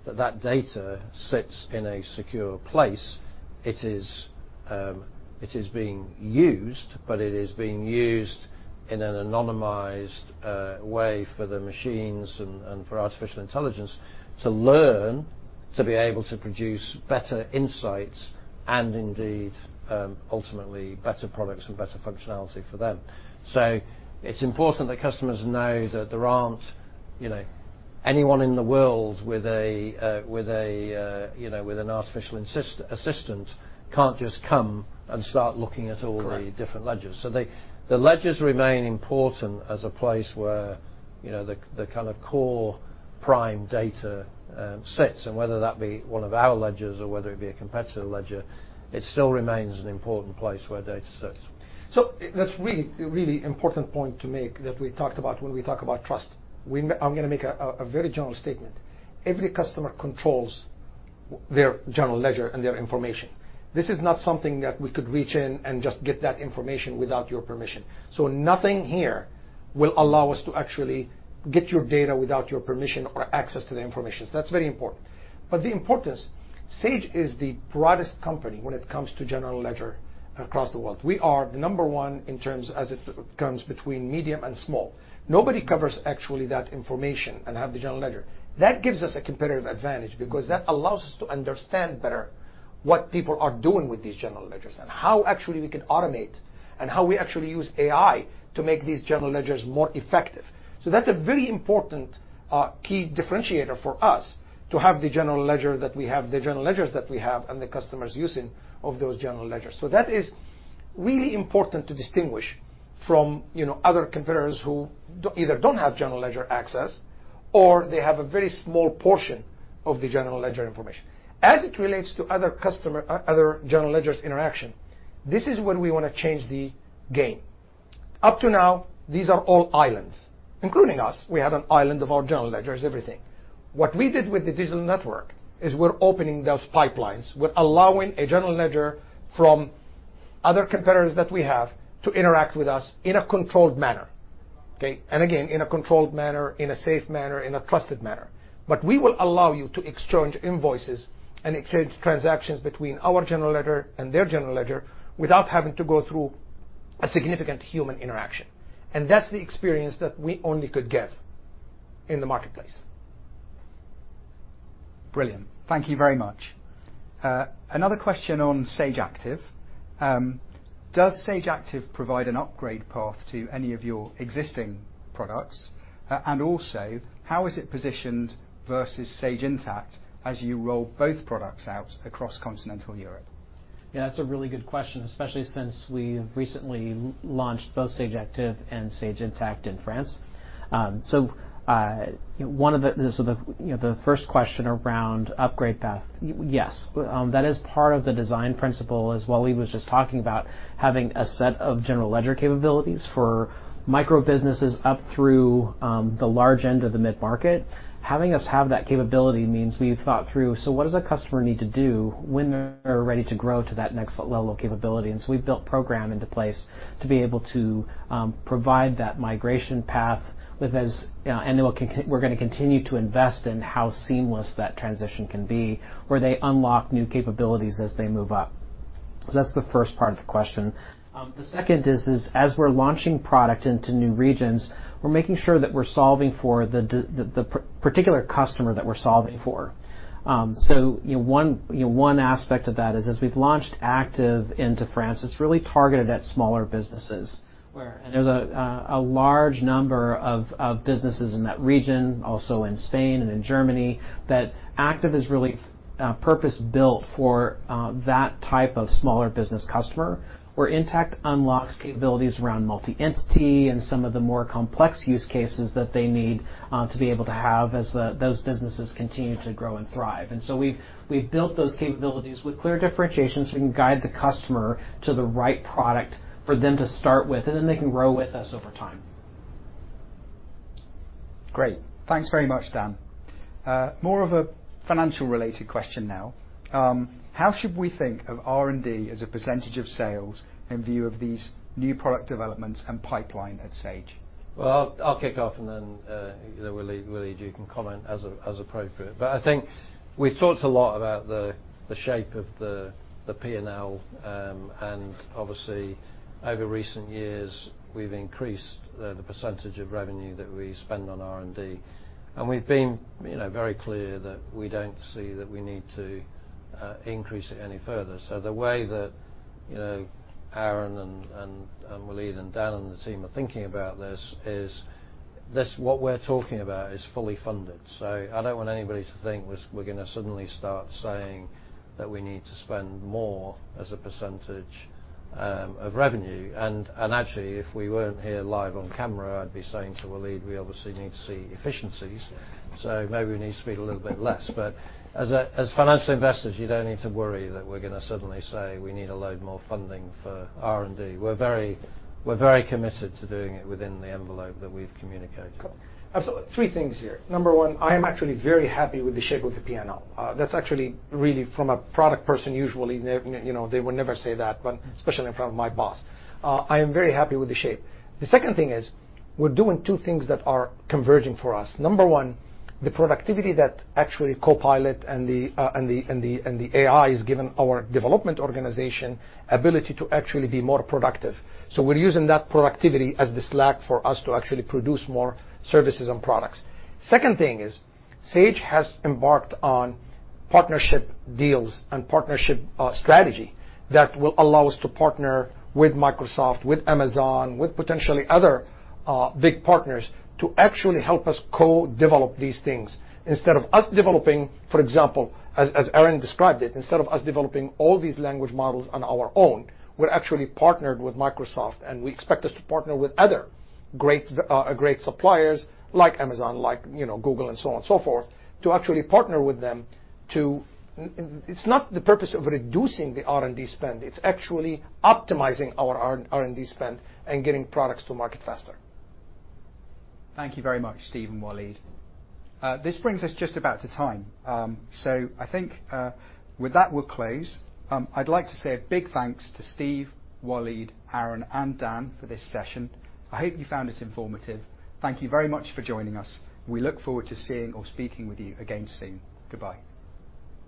that that data sits in a secure place. It is, it is being used, but it is being used in an anonymized, way for the machines and, and for artificial intelligence to learn, to be able to produce better insights, and indeed, ultimately, better products and better functionality for them. So it's important that customers know that there aren't, you know, anyone in the world with a, with a, you know, with an artificial assistant, can't just come and start looking at all the- Correct... different ledgers. So the ledgers remain important as a place where, you know, the kind of core prime data sits, and whether that be one of our ledgers or whether it be a competitor ledger, it still remains an important place where data sits. So that's a really, really important point to make, that we talked about when we talk about trust. I'm gonna make a, a very general statement. Every customer controls their general ledger and their information. This is not something that we could reach in and just get that information without your permission. So nothing here will allow us to actually get your data without your permission or access to the information. So that's very important. But the importance, Sage is the broadest company when it comes to general ledger across the world. We are the number one in terms as it comes between medium and small. Nobody covers actually that information and have the general ledger. That gives us a competitive advantage, because that allows us to understand better what people are doing with these general ledgers, and how actually we can automate, and how we actually use AI to make these general ledgers more effective. So that's a very important key differentiator for us, to have the general ledger that we have—the general ledgers that we have, and the customers using of those general ledgers. So that is really important to distinguish from, you know, other competitors who do—either don't have general ledger access, or they have a very small portion of the general ledger information. As it relates to other customer—other general ledgers interaction, this is where we wanna change the game. Up to now, these are all islands, including us. We have an island of our general ledgers, everything. What we did with the digital network is, we're opening those pipelines. We're allowing a general ledger from other competitors that we have to interact with us in a controlled manner, okay? And again, in a controlled manner, in a safe manner, in a trusted manner. But we will allow you to exchange invoices and exchange transactions between our general ledger and their general ledger, without having to go through a significant human interaction, and that's the experience that we only could give in the marketplace. Brilliant. Thank you very much. Another question on Sage Active: Does Sage Active provide an upgrade path to any of your existing products? And also, how is it positioned versus Sage Intacct as you roll both products out across continental Europe? Yeah, that's a really good question, especially since we've recently launched both Sage Active and Sage Intacct in France. So the, you know, the first question around upgrade path, yes, that is part of the design principle, as Walid was just talking about, having a set of general ledger capabilities for micro businesses up through, the large end of the mid-market. Having us have that capability means we've thought through: So what does a customer need to do when they're ready to grow to that next level of capability? And so we've built program into place to be able to, provide that migration path with as... and we're gonna continue to invest in how seamless that transition can be, where they unlock new capabilities as they move up. So that's the first part of the question. The second is as we're launching product into new regions, we're making sure that we're solving for the particular customer that we're solving for. So, you know, one aspect of that is, as we've launched Active into France, it's really targeted at smaller businesses, where and there's a large number of businesses in that region, also in Spain and in Germany, that Active is really purpose-built for that type of smaller business customer, where Intacct unlocks capabilities around multi-entity and some of the more complex use cases that they need to be able to have, as those businesses continue to grow and thrive. So we've built those capabilities with clear differentiation, so we can guide the customer to the right product for them to start with, and then they can grow with us over time. Great. Thanks very much, Dan. More of a financial-related question now: How should we think of R&D as a percentage of sales in view of these new product developments and pipeline at Sage? Well, I'll kick off, and then, Walid, you can comment as appropriate. But I think we've talked a lot about the shape of the P&L. And obviously, over recent years, we've increased the percentage of revenue that we spend on R&D. And we've been, you know, very clear that we don't see that we need to increase it any further. So the way that, you know, Aaron and Walid and Dan and the team are thinking about this is, what we're talking about, is fully funded. So I don't want anybody to think we're gonna suddenly start saying that we need to spend more as a percentage of revenue. Actually, if we weren't here live on camera, I'd be saying to Walid, we obviously need to see efficiencies, so maybe we need to spend a little bit less. But as financial investors, you don't need to worry that we're gonna suddenly say we need a load more funding for R&D. We're very committed to doing it within the envelope that we've communicated. Absolutely. Three things here. Number one, I am actually very happy with the shape of the P&L. That's actually, really, from a product person, usually, they, you know, they would never say that, but especially in front of my boss. I am very happy with the shape. The second thing is, we're doing two things that are converging for us. Number one, the productivity that actually Copilot and the AI has given our development organization ability to actually be more productive. So we're using that productivity as the slack for us to actually produce more services and products. Second thing is, Sage has embarked on partnership deals and partnership strategy, that will allow us to partner with Microsoft, with Amazon, with potentially other big partners, to actually help us co-develop these things. Instead of us developing... For example, as Aaron described it, instead of us developing all these language models on our own, we're actually partnered with Microsoft, and we expect us to partner with other great suppliers like Amazon, like, you know, Google, and so on and so forth, to actually partner with them. It's not the purpose of reducing the R&D spend. It's actually optimizing our R&D spend and getting products to market faster. Thank you very much, Steve and Walid. This brings us just about to time. I think, with that, we'll close. I'd like to say a big thanks to Steve, Walid, Aaron, and Dan for this session. I hope you found it informative. Thank you very much for joining us. We look forward to seeing or speaking with you again soon. Goodbye.